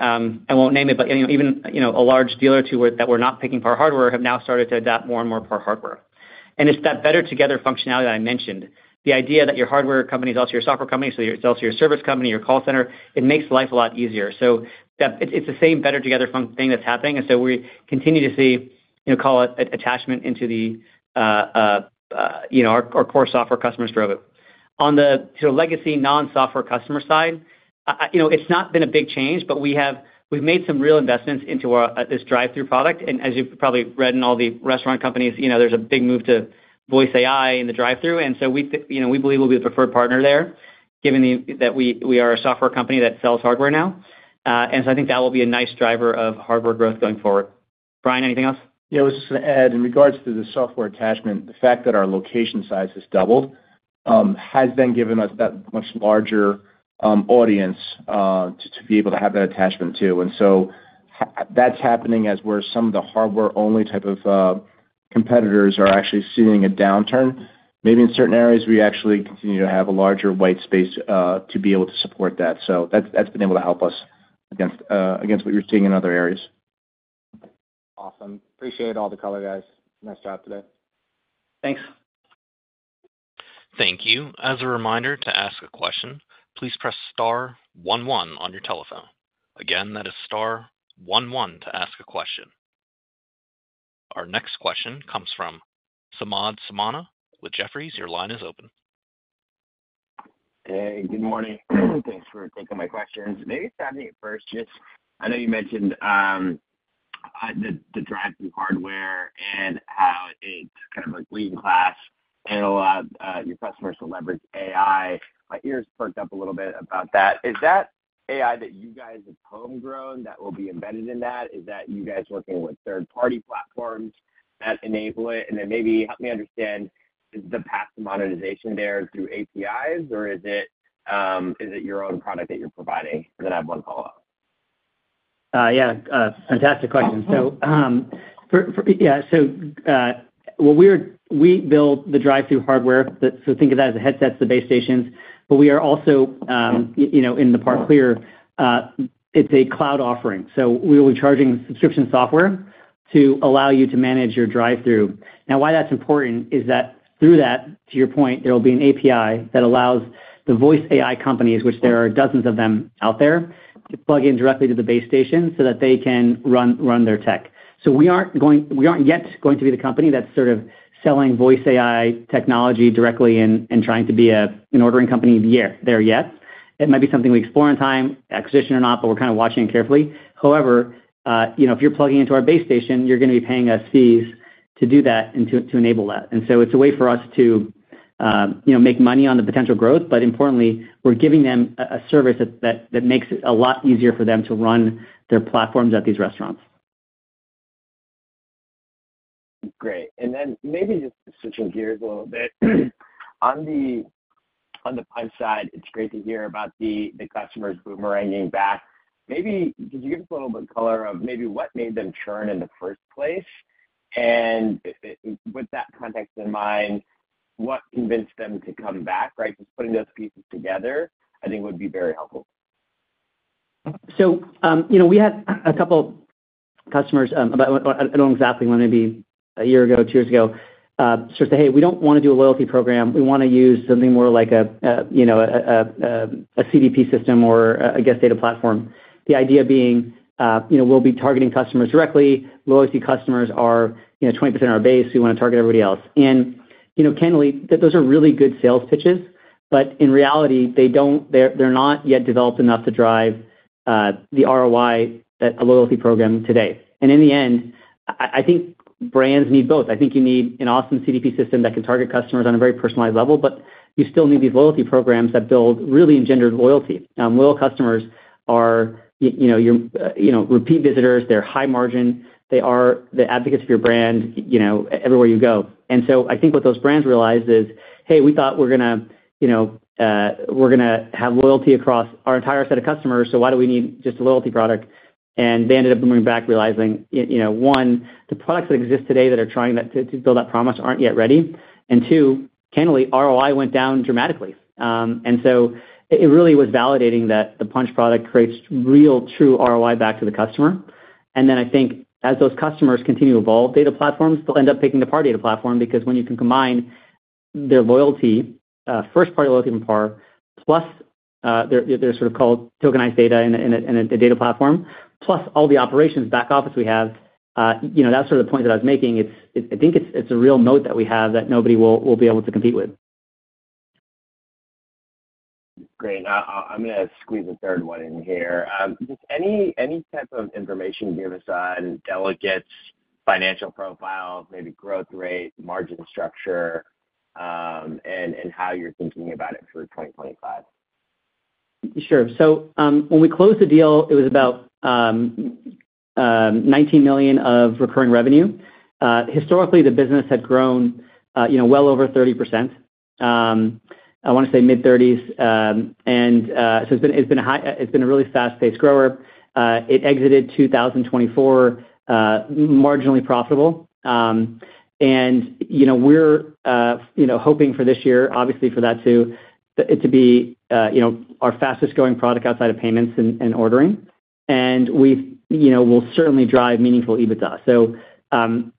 I won't name it, but even a large dealer that we're not picking for hardware have now started to adapt more and more for hardware. And it's that Better Together functionality that I mentioned. The idea that your hardware company is also your software company, so it's also your service company, your call center, it makes life a lot easier. So it's the same Better Together thing that's happening. And so we continue to see call it attachment into our core software customers forever. On the legacy non-software customer side, it's not been a big change, but we've made some real investments into this drive-through product. And as you've probably read in all the restaurant companies, there's a big move to voice AI in the drive-through. And so we believe we'll be the preferred partner there, given that we are a software company that sells hardware now. And so I think that will be a nice driver of hardware growth going forward. Brian, anything else? Yeah. I was just going to add in regards to the software attachment, the fact that our location size has doubled has then given us that much larger audience to be able to have that attachment too. And so that's happening as where some of the hardware-only type of competitors are actually seeing a downturn. Maybe in certain areas, we actually continue to have a larger white space to be able to support that. So that's been able to help us against what you're seeing in other areas. Awesome. Appreciate all the color, guys. Nice job today. Thanks. Thank you. As a reminder to ask a question, please press star 11 on your telephone. Again, that is star 11 to ask a question. Our next question comes from Samad Samana with Jefferies. Your line is open. Hey, good morning. Thanks for taking my questions. Maybe starting at first, just I know you mentioned the drive-through hardware and how it's kind of like best-in-class and allowed your customers to leverage AI. My ears perked up a little bit about that. Is that AI that you guys have homegrown that will be embedded in that? Is that you guys working with third-party platforms that enable it? And then maybe help me understand the path to monetization there through APIs, or is it your own product that you're providing? And then I have one follow-up. Yeah. Fantastic question. So yeah. So we build the drive-through hardware. So think of that as the headsets, the base stations. But we are also in the PAR Clear. It's a cloud offering. So we will be charging subscription software to allow you to manage your drive-through. Now, why that's important is that through that, to your point, there will be an API that allows the Voice AI companies, which there are dozens of them out there, to plug in directly to the base station so that they can run their tech. So we aren't yet going to be the company that's sort of selling Voice AI technology directly and trying to be an ordering company there yet. It might be something we explore in time, acquisition or not, but we're kind of watching it carefully. However, if you're plugging into our base station, you're going to be paying us fees to do that and to enable that. And so it's a way for us to make money on the potential growth. But importantly, we're giving them a service that makes it a lot easier for them to run their platforms at these restaurants. Great. Then maybe just switching gears a little bit. On the Punchh side, it's great to hear about the customers' boomeranging back. Maybe could you give us a little bit of color of maybe what made them churn in the first place? And with that context in mind, what convinced them to come back, right? Just putting those pieces together, I think, would be very helpful. We had a couple of customers about, I don't know exactly when it may be, a year ago, two years ago, sort of say, "Hey, we don't want to do a loyalty program. We want to use something more like a CDP system or a guest data platform." The idea being, "We'll be targeting customers directly. Loyalty customers are 20% of our base. We want to target everybody else," and candidly, those are really good sales pitches, but in reality, they're not yet developed enough to drive the ROI that a loyalty program today. In the end, I think brands need both. I think you need an awesome CDP system that can target customers on a very personalized level, but you still need these loyalty programs that build really engendered loyalty. Loyal customers are your repeat visitors. They're high margin. They are the advocates of your brand everywhere you go. So I think what those brands realize is, "Hey, we thought we're going to have loyalty across our entire set of customers, so why do we need just a loyalty product?" They ended up coming back, realizing, one, the products that exist today that are trying to build that promise aren't yet ready. Two, candidly, ROI went down dramatically. It really was validating that the Punchh product creates real true ROI back to the customer. Then I think as those customers continue to evolve, data platforms will end up picking the PAR data platform because when you can combine their loyalty, first-party loyalty from PAR, plus their so-called tokenized data and a data platform, plus all the operations back office we have, that's sort of the point that I was making. I think it's a real moat that we have that nobody will be able to compete with. Great. I'm going to squeeze a third one in here. Just any type of information given aside Delegate's financial profile, maybe growth rate, margin structure, and how you're thinking about it for 2025? Sure. So when we closed the deal, it was about $19 million of recurring revenue. Historically, the business had grown well over 30%. I want to say mid-30s. And so it's been a really fast-paced grower. It exited 2024 marginally profitable. And we're hoping for this year, obviously for that too, to be our fastest-growing product outside of payments and ordering. And we will certainly drive meaningful EBITDA. So it's kind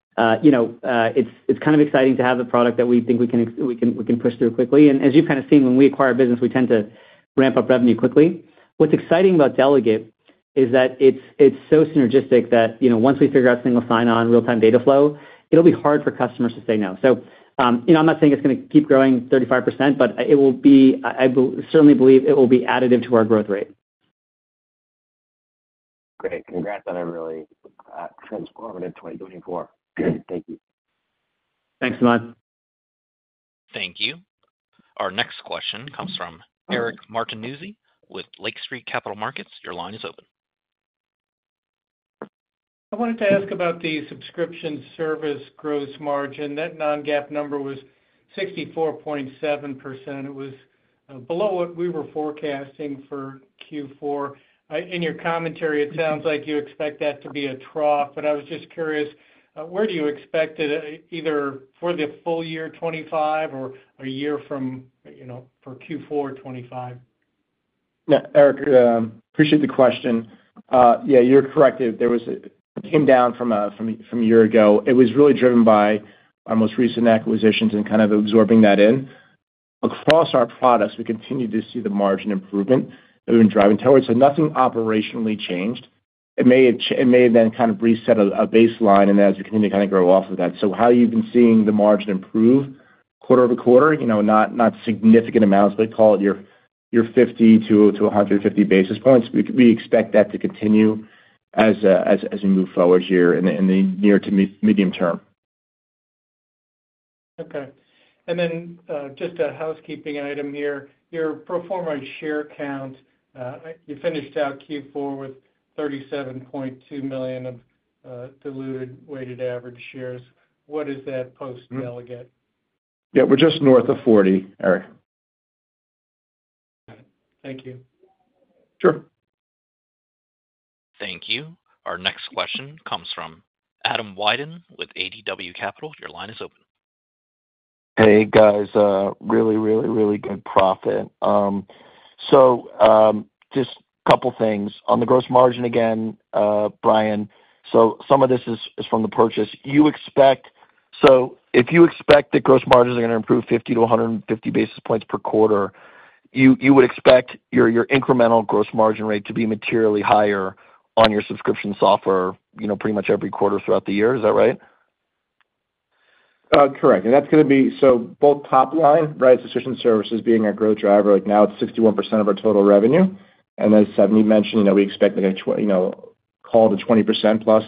of exciting to have a product that we think we can push through quickly. And as you've kind of seen, when we acquire a business, we tend to ramp up revenue quickly. What's exciting about Delegate is that it's so synergistic that once we figure out single sign-on real-time data flow, it'll be hard for customers to say no. So I'm not saying it's going to keep growing 35%, but I certainly believe it will be additive to our growth rate. Great. Congrats on a really transformative 2024. Thank you. Thanks, Samad. Thank you. Our next question comes from Eric Martinuzzi with Lake Street Capital Markets. Your line is open. I wanted to ask about the subscription service gross margin. That non-GAAP number was 64.7%. It was below what we were forecasting for Q4. In your commentary, it sounds like you expect that to be a trough, but I was just curious, where do you expect it either for the full year 2025 or a year from for Q4 2025? Yeah. Eric, appreciate the question. Yeah, you're correct. It came down from a year ago. It was really driven by our most recent acquisitions and kind of absorbing that in. Across our products, we continue to see the margin improvement that we've been driving towards. So nothing operationally changed. It may have then kind of reset a baseline, and as we continue to kind of grow off of that. So, how you've been seeing the margin improve quarter over quarter, not significant amounts, but call it your 50 to 150 basis points, we expect that to continue as we move forward here in the near to medium term. Okay. And then just a housekeeping item here. Your performance share count, you finished out Q4 with 37.2 million of diluted weighted average shares. What is that post-Delegate? Yeah. We're just north of 40, Eric. Thank you. Sure. Thank you. Our next question comes from Adam Wyden with ADW Capital. Your line is open. Hey, guys. Really, really, really good profit. So just a couple of things. On the gross margin again, Brian, so some of this is from the purchase. So if you expect that gross margins are going to improve 50 to 150 basis points per quarter, you would expect your incremental gross margin rate to be materially higher on your subscription software pretty much every quarter throughout the year. Is that right? Correct. And that's going to be so both top line, right, subscription services being our growth driver, now it's 61% of our total revenue. And as you mentioned, we expect to call the 20% plus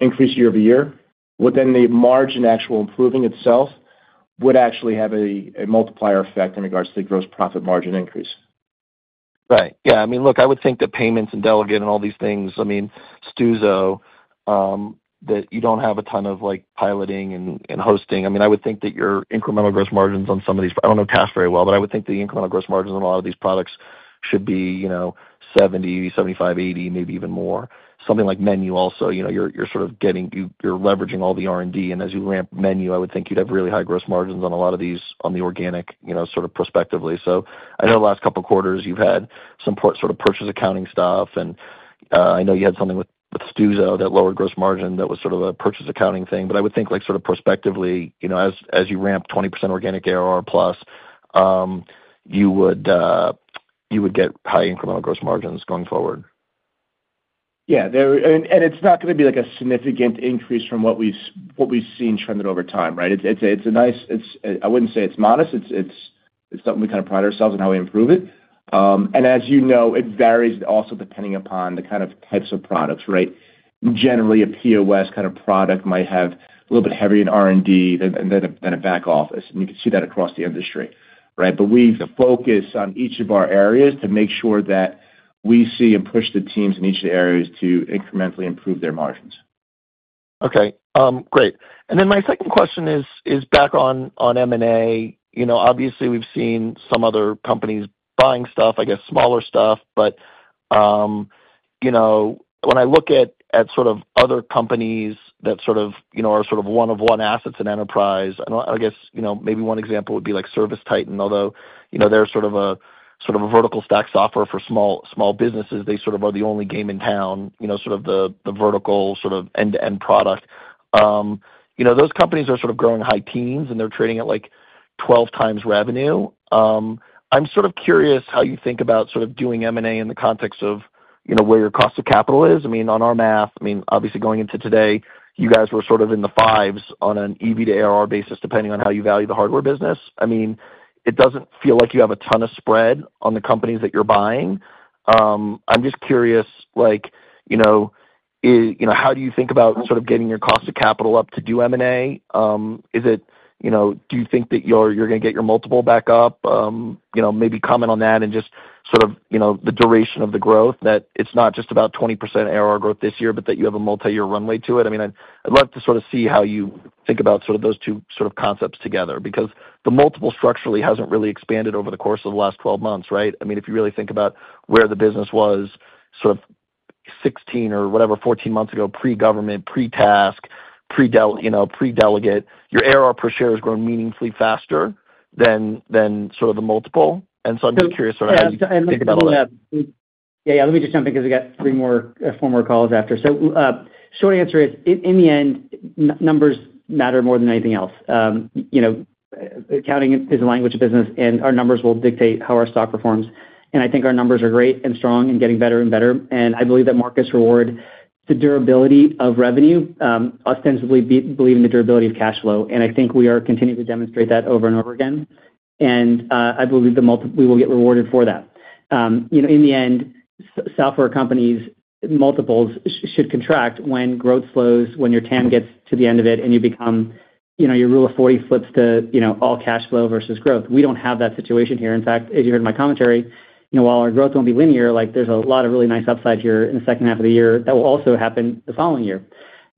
increase year over year. Within the margin, actual improving itself would actually have a multiplier effect in regards to the gross profit margin increase. Right. Yeah. I mean, look, I would think that payments and Delegate and all these things, I mean, Stuzo, that you don't have a ton of piloting and hosting. I mean, I would think that your incremental gross margins on some of these, I don't know Toast very well, but I would think the incremental gross margins on a lot of these products should be 70%, 75%, 80%, maybe even more. Something like MENU also, you're sort of getting you're leveraging all the R&D. And as you ramp MENU, I would think you'd have really high gross margins on a lot of these on the organic sort of prospectively. So I know the last couple of quarters you've had some sort of purchase accounting stuff. And I know you had something with Stuzo that lowered gross margin that was sort of a purchase accounting thing. But I would think sort of prospectively, as you ramp 20% organic ARR plus, you would get high incremental gross margins going forward. Yeah. And it's not going to be a significant increase from what we've seen trending over time, right? It's nice. I wouldn't say it's modest. It's something we kind of pride ourselves on how we improve it. And as you know, it varies also depending upon the kind of types of products, right? Generally, a POS kind of product might have a little bit heavier in R&D than a back office. And you can see that across the industry, right? But we've focused on each of our areas to make sure that we see and push the teams in each of the areas to incrementally improve their margins. Okay. Great. And then my second question is back on M&A. Obviously, we've seen some other companies buying stuff, I guess, smaller stuff. But when I look at sort of other companies that sort of are sort of one-of-one assets in enterprise, I guess maybe one example would be ServiceTitan, although they're sort of a vertical stack software for small businesses. They sort of are the only game in town, sort of the vertical sort of end-to-end product. Those companies are sort of growing high teens, and they're trading at like 12 times revenue. I'm sort of curious how you think about sort of doing M&A in the context of where your cost of capital is. I mean, on our math, I mean, obviously going into today, you guys were sort of in the fives on an EV to ARR basis, depending on how you value the hardware business. I mean, it doesn't feel like you have a ton of spread on the companies that you're buying. I'm just curious, how do you think about sort of getting your cost of capital up to do M&A? Do you think that you're going to get your multiple back up? Maybe comment on that and just sort of the duration of the growth, that it's not just about 20% ARR growth this year, but that you have a multi-year runway to it. I mean, I'd love to sort of see how you think about sort of those two sort of concepts together because the multiple structurally hasn't really expanded over the course of the last 12 months, right? I mean, if you really think about where the business was sort of 16 or whatever, 14 months ago, pre-Government, pre-TASK, pre-Delegate, your ARR per share has grown meaningfully faster than sort of the multiple. And so I'm just curious sort of how you think about that. Yeah. Let me just jump in because we got three more formal calls after. The short answer is, in the end, numbers matter more than anything else. Accounting is the language of business, and our numbers will dictate how our stock performs. And I think our numbers are great and strong and getting better and better. And I believe the market rewards the durability of revenue and the durability of cash flow. And I think we are continuing to demonstrate that over and over again. And I believe we will get rewarded for that. In the end, software companies' multiples should contract when growth slows, when your TAM gets to the end of it, and you become your Rule of 40 flips to all cash flow versus growth. We don't have that situation here. In fact, as you heard in my commentary, while our growth won't be linear, there's a lot of really nice upside here in the second half of the year that will also happen the following year.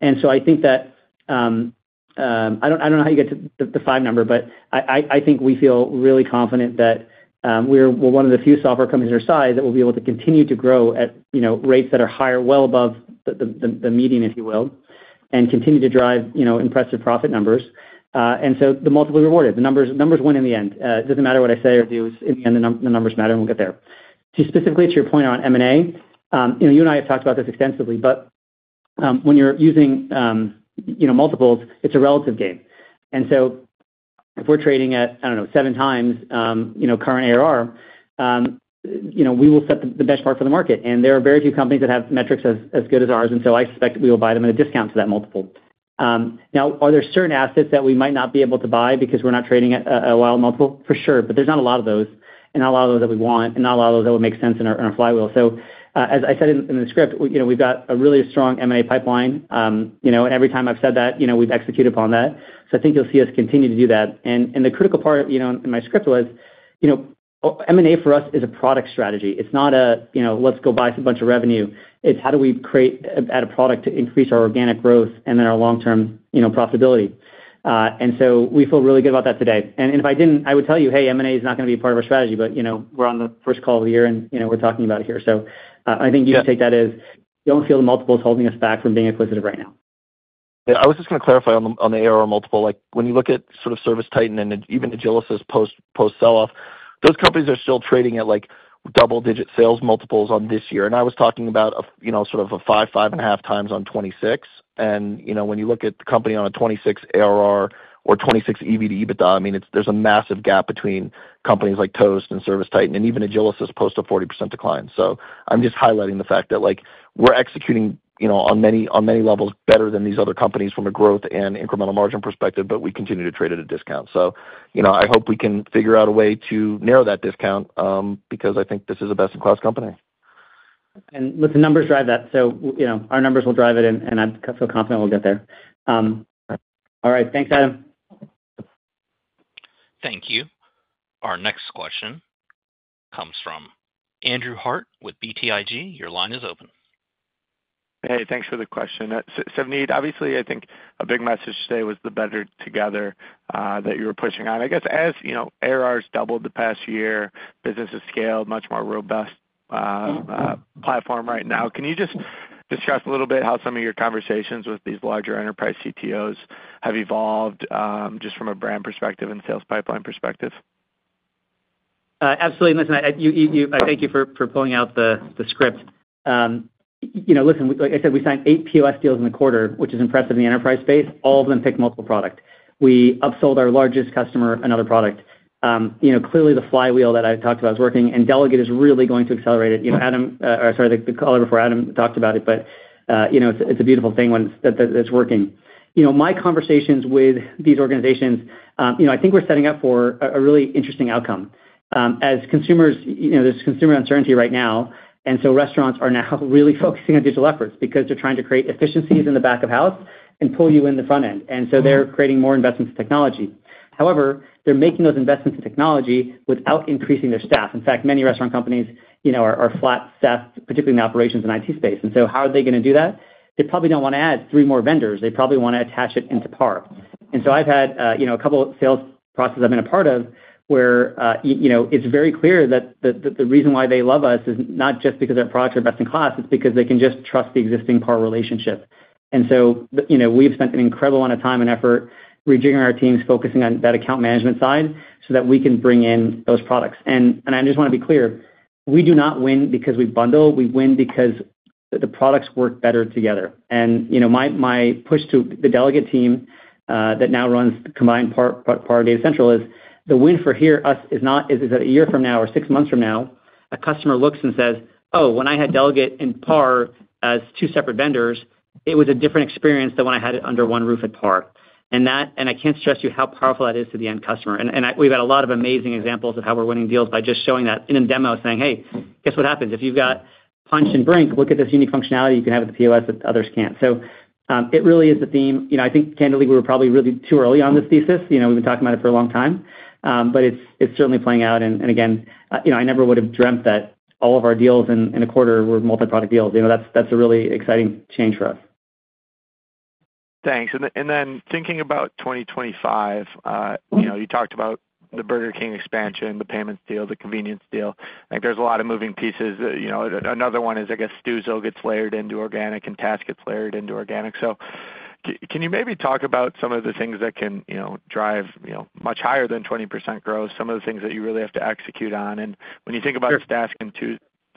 And so I think that I don't know how you get to the five number, but I think we feel really confident that we're one of the few software companies on our side that will be able to continue to grow at rates that are higher, well above the median, if you will, and continue to drive impressive profit numbers. And so the multiple is rewarded. The numbers win in the end. It doesn't matter what I say or do. In the end, the numbers matter, and we'll get there. Specifically to your point on M&A, you and I have talked about this extensively, but when you're using multiples, it's a relative game. If we're trading at, I don't know, seven times current ARR, we will set the benchmark for the market. There are very few companies that have metrics as good as ours. I suspect we will buy them at a discount to that multiple. Now, are there certain assets that we might not be able to buy because we're not trading at a wild multiple? For sure. But there's not a lot of those, and not a lot of those that we want, and not a lot of those that would make sense in our flywheel. As I said in the script, we've got a really strong M&A pipeline. Every time I've said that, we've executed upon that. I think you'll see us continue to do that. The critical part in my script was M&A for us is a product strategy. It's not a, "Let's go buy some bunch of revenue." It's how do we create a better product to increase our organic growth and then our long-term profitability? And so we feel really good about that today. And if I didn't, I would tell you, "Hey, M&A is not going to be part of our strategy, but we're on the first call of the year, and we're talking about it here." So I think you should take that as don't feel the multiples holding us back from being acquisitive right now. Yeah. I was just going to clarify on the ARR multiple. When you look at sort of ServiceTitan and even Agilysys's post-sell-off, those companies are still trading at double-digit sales multiples on this year. And I was talking about sort of a five, five and a half times on 26. When you look at the company on a 26 ARR or 26 EV to EBITDA, I mean, there's a massive gap between companies like Toast and ServiceTitan and even Agilysys's post of 40% decline. I'm just highlighting the fact that we're executing on many levels better than these other companies from a growth and incremental margin perspective, but we continue to trade at a discount. I hope we can figure out a way to narrow that discount because I think this is a best-in-class company. Let the numbers drive that. Our numbers will drive it, and I feel confident we'll get there. All right. Thanks, Adam. Thank you. Our next question comes from Andrew Harte with BTIG. Your line is open . Hey, thanks for the question. Obviously, I think a big message today was the better together that you were pushing on. I guess as ARRs doubled the past year, business has scaled much more robust platform right now. Can you just discuss a little bit how some of your conversations with these larger enterprise CTOs have evolved just from a brand perspective and sales pipeline perspective? Absolutely. Listen, I thank you for pulling out the script. Listen, like I said, we signed eight POS deals in the quarter, which is impressive in the enterprise space. All of them pick multiple product. We upsold our largest customer another product. Clearly, the flywheel that I talked about is working, and Delegate is really going to accelerate it. Adam, or sorry, the caller before, Adam talked about it, but it's a beautiful thing that it's working. My conversations with these organizations, I think we're setting up for a really interesting outcome. As consumers, there's consumer uncertainty right now. And so restaurants are now really focusing on digital efforts because they're trying to create efficiencies in the back of house and pull you in the front end. And so they're creating more investments in technology. However, they're making those investments in technology without increasing their staff. In fact, many restaurant companies are flat staffed, particularly in the operations and IT space. And so how are they going to do that? They probably don't want to add three more vendors. They probably want to attach it into PAR. And so I've had a couple of sales processes I've been a part of where it's very clear that the reason why they love us is not just because our products are best in class, it's because they can just trust the existing PAR relationship. And so we've spent an incredible amount of time and effort rejigging our teams, focusing on that account management side so that we can bring in those products. And I just want to be clear, we do not win because we bundle. We win because the products work better together. And my push to the Delegate team that now runs combined PAR, PAR, Data Central is the win for here, us, is that a year from now or six months from now, a customer looks and says, "Oh, when I had Delegate and PAR as two separate vendors, it was a different experience than when I had it under one roof at PAR." And I can't stress to you how powerful that is to the end customer. And we've had a lot of amazing examples of how we're winning deals by just showing that in a demo saying, "Hey, guess what happens? If you've got Punchh and Brink, look at this unique functionality you can have with the POS that others can't." So it really is the theme. I think candidly, we were probably really too early on this thesis. We've been talking about it for a long time, but it's certainly playing out. And again, I never would have dreamt that all of our deals in a quarter were multi-product deals. That's a really exciting change for us. Thanks. And then thinking about 2025, you talked about the Burger King expansion, the payments deal, the convenience deal. I think there's a lot of moving pieces. Another one is, I guess, Stuzo gets layered into organic and TASK gets layered into organic. Can you maybe talk about some of the things that can drive much higher than 20% growth, some of the things that you really have to execute on? And when you think about TASK and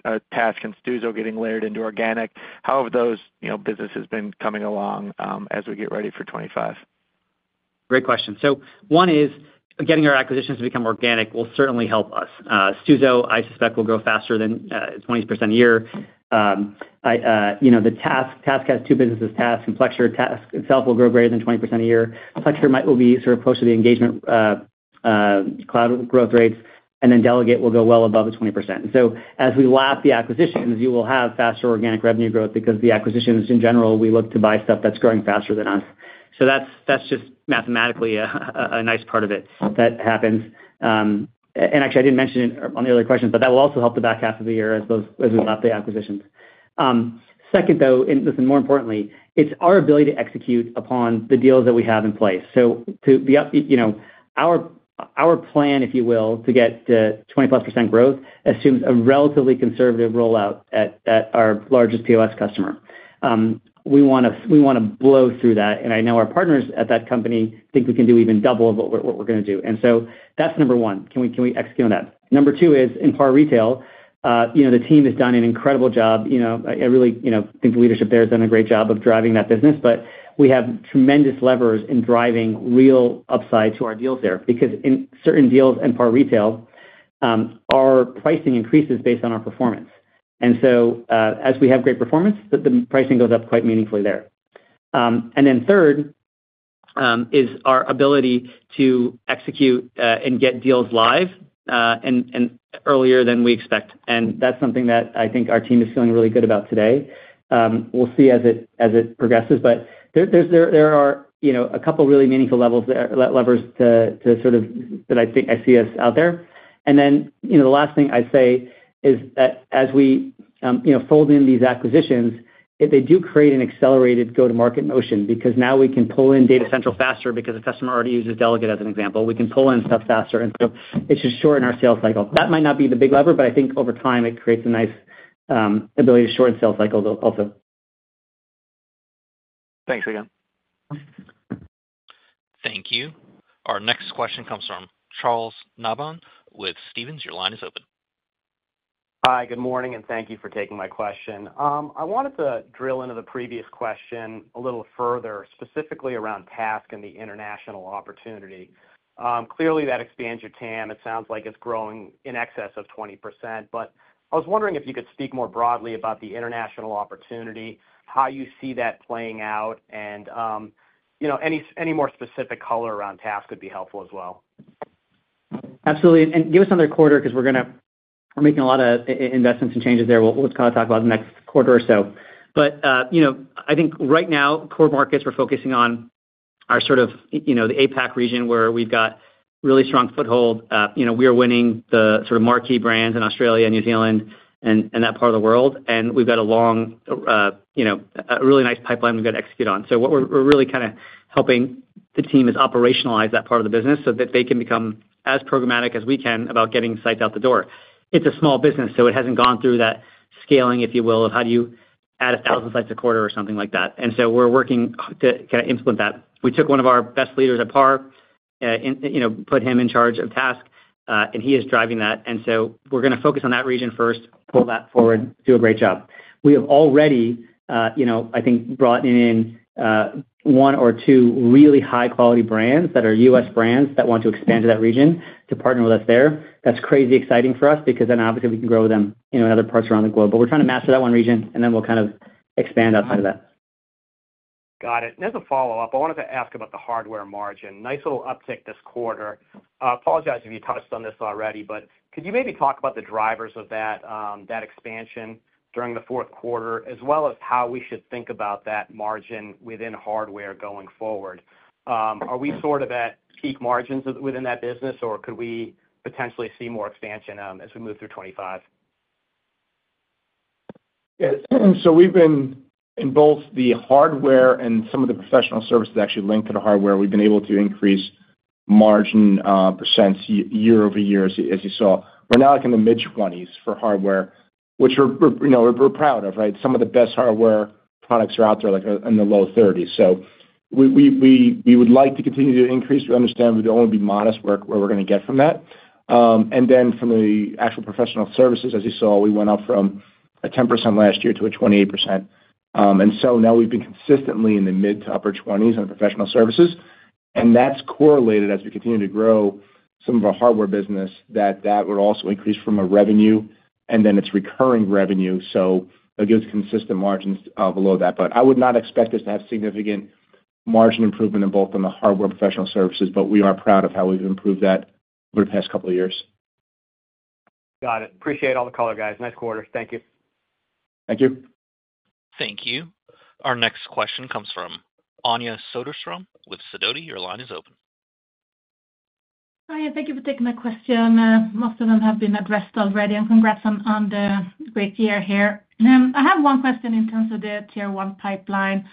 Stuzo getting layered into organic, how have those businesses been coming along as we get ready for 2025? Great question. One is getting our acquisitions to become organic will certainly help us. Stuzo, I suspect, will grow faster than 20% a year. The TASK has two businesses. TASK and Plexure. TASK itself will grow greater than 20% a year. Plexure will be sort of close to the Engagement Cloud growth rates. And then Delegate will go well above the 20%. As we lap the acquisitions, you will have faster organic revenue growth because the acquisitions in general, we look to buy stuff that's growing faster than us. So that's just mathematically a nice part of it that happens. And actually, I didn't mention it on the earlier questions, but that will also help the back half of the year as we lap the acquisitions. Second, though, and listen, more importantly, it's our ability to execute upon the deals that we have in place. So our plan, if you will, to get to 20-plus% growth assumes a relatively conservative rollout at our largest POS customer. We want to blow through that. And I know our partners at that company think we can do even double of what we're going to do. And so that's number one. Can we execute on that? Number two is, in PAR Retail, the team has done an incredible job. I really think the leadership there has done a great job of driving that business. But we have tremendous levers in driving real upside to our deals there because in certain deals in PAR Retail, our pricing increases based on our performance. And so as we have great performance, the pricing goes up quite meaningfully there. And then third is our ability to execute and get deals live and earlier than we expect. And that's something that I think our team is feeling really good about today. We'll see as it progresses. But there are a couple of really meaningful levers to sort of that I see us out there. And then the last thing I'd say is that as we fold in these acquisitions, they do create an accelerated go-to-market motion because now we can pull in Data Central faster because the customer already uses Delegate as an example. We can pull in stuff faster. And so it should shorten our sales cycle. That might not be the big lever, but I think over time, it creates a nice ability to shorten sales cycle also. Thanks again. Thank you. Our next question comes from Charles Nabhan with Stephens. Your line is open. Hi, good morning, and thank you for taking my question. I wanted to drill into the previous question a little further, specifically around TASK and the international opportunity. Clearly, that expands your TAM. It sounds like it's growing in excess of 20%. But I was wondering if you could speak more broadly about the international opportunity, how you see that playing out, and any more specific color around TASK would be helpful as well. Absolutely. And give us another quarter because we're making a lot of investments and changes there. We'll kind of talk about the next quarter or so. But I think right now, core markets we're focusing on are sort of the APAC region where we've got really strong foothold. We're winning the sort of marquee brands in Australia, New Zealand, and that part of the world. And we've got a long, really nice pipeline we've got to execute on. So what we're really kind of helping the team is operationalize that part of the business so that they can become as programmatic as we can about getting sites out the door. It's a small business, so it hasn't gone through that scaling, if you will, of how do you add a thousand sites a quarter or something like that. And so we're working to kind of implement that. We took one of our best leaders at PAR, put him in charge of TASK, and he is driving that. And so we're going to focus on that region first, pull that forward, do a great job. We have already, I think, brought in one or two really high-quality brands that are US brands that want to expand to that region to partner with us there. That's crazy exciting for us because then obviously we can grow them in other parts around the globe. But we're trying to master that one region, and then we'll kind of expand outside of that. Got it. And as a follow-up, I wanted to ask about the hardware margin. Nice little uptick this quarter. Apologize if you touched on this already, but could you maybe talk about the drivers of that expansion during the fourth quarter, as well as how we should think about that margin within hardware going forward? Are we sort of at peak margins within that business, or could we potentially see more expansion as we move through 2025? Yeah. So we've been in both the hardware and some of the professional services actually linked to the hardware. We've been able to increase margin % year over year, as you saw. We're now in the mid-20s% for hardware, which we're proud of, right? Some of the best hardware products are out there in the low-30s%. So we would like to continue to increase. We understand it would only be modest work where we're going to get from that. And then from the actual professional services, as you saw, we went up from a 10% last year to a 28%. And so now we've been consistently in the mid-to-upper 20s% on professional services. And that's correlated as we continue to grow some of our hardware business that that would also increase from a revenue, and then it's recurring revenue. So it gives consistent margins below that. But I would not expect us to have significant margin improvement in both on the hardware professional services, but we are proud of how we've improved that over the past couple of years. Got it. Appreciate all the color, guys. Nice quarter. Thank you. Thank you. Thank you. Our next question comes from Anja Soderstrom with Sidoti. Your line is open. Hi, and thank you for taking my question. Most of them have been addressed already. And congrats on the great year here. I have one question in terms of the tier-one pipeline.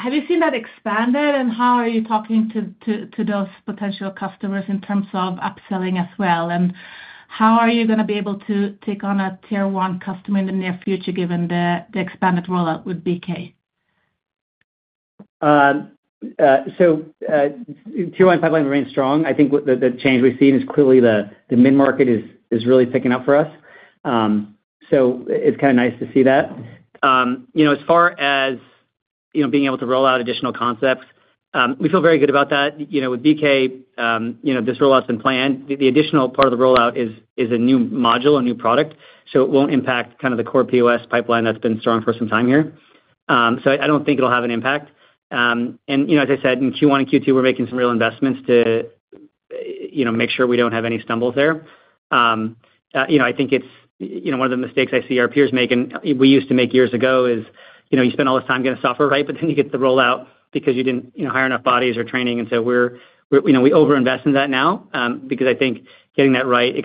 Have you seen that expanded, and how are you talking to those potential customers in terms of upselling as well? And how are you going to be able to take on a tier-one customer in the near future given the expanded rollout with BK? So tier-one pipeline remains strong. I think the change we've seen is clearly the mid-market is really picking up for us. So it's kind of nice to see that. As far as being able to roll out additional concepts, we feel very good about that. With BK, this rollout's been planned. The additional part of the rollout is a new module, a new product. So it won't impact kind of the core POS pipeline that's been strong for some time here. So I don't think it'll have an impact. And as I said, in Q1 and Q2, we're making some real investments to make sure we don't have any stumbles there. I think one of the mistakes I see our peers making, we used to make years ago, is you spend all this time getting software right, but then you get the rollout because you didn't hire enough bodies or training. And so we overinvest in that now because I think getting that right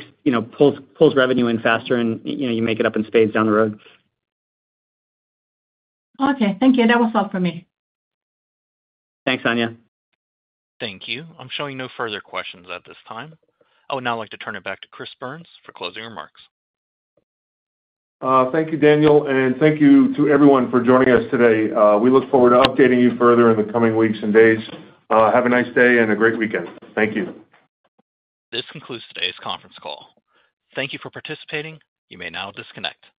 pulls revenue in faster, and you make it up in spades down the road. Okay. Thank you. That was all for me. Thanks, Anja. Thank you. I'm showing no further questions at this time. I would now like to turn it back to Chris Byrnes for closing remarks. Thank you, Daniel. And thank you to everyone for joining us today. We look forward to updating you further in the coming weeks and days. Have a nice day and a great weekend. Thank you. This concludes today's conference call. Thank you for participating. You may now disconnect.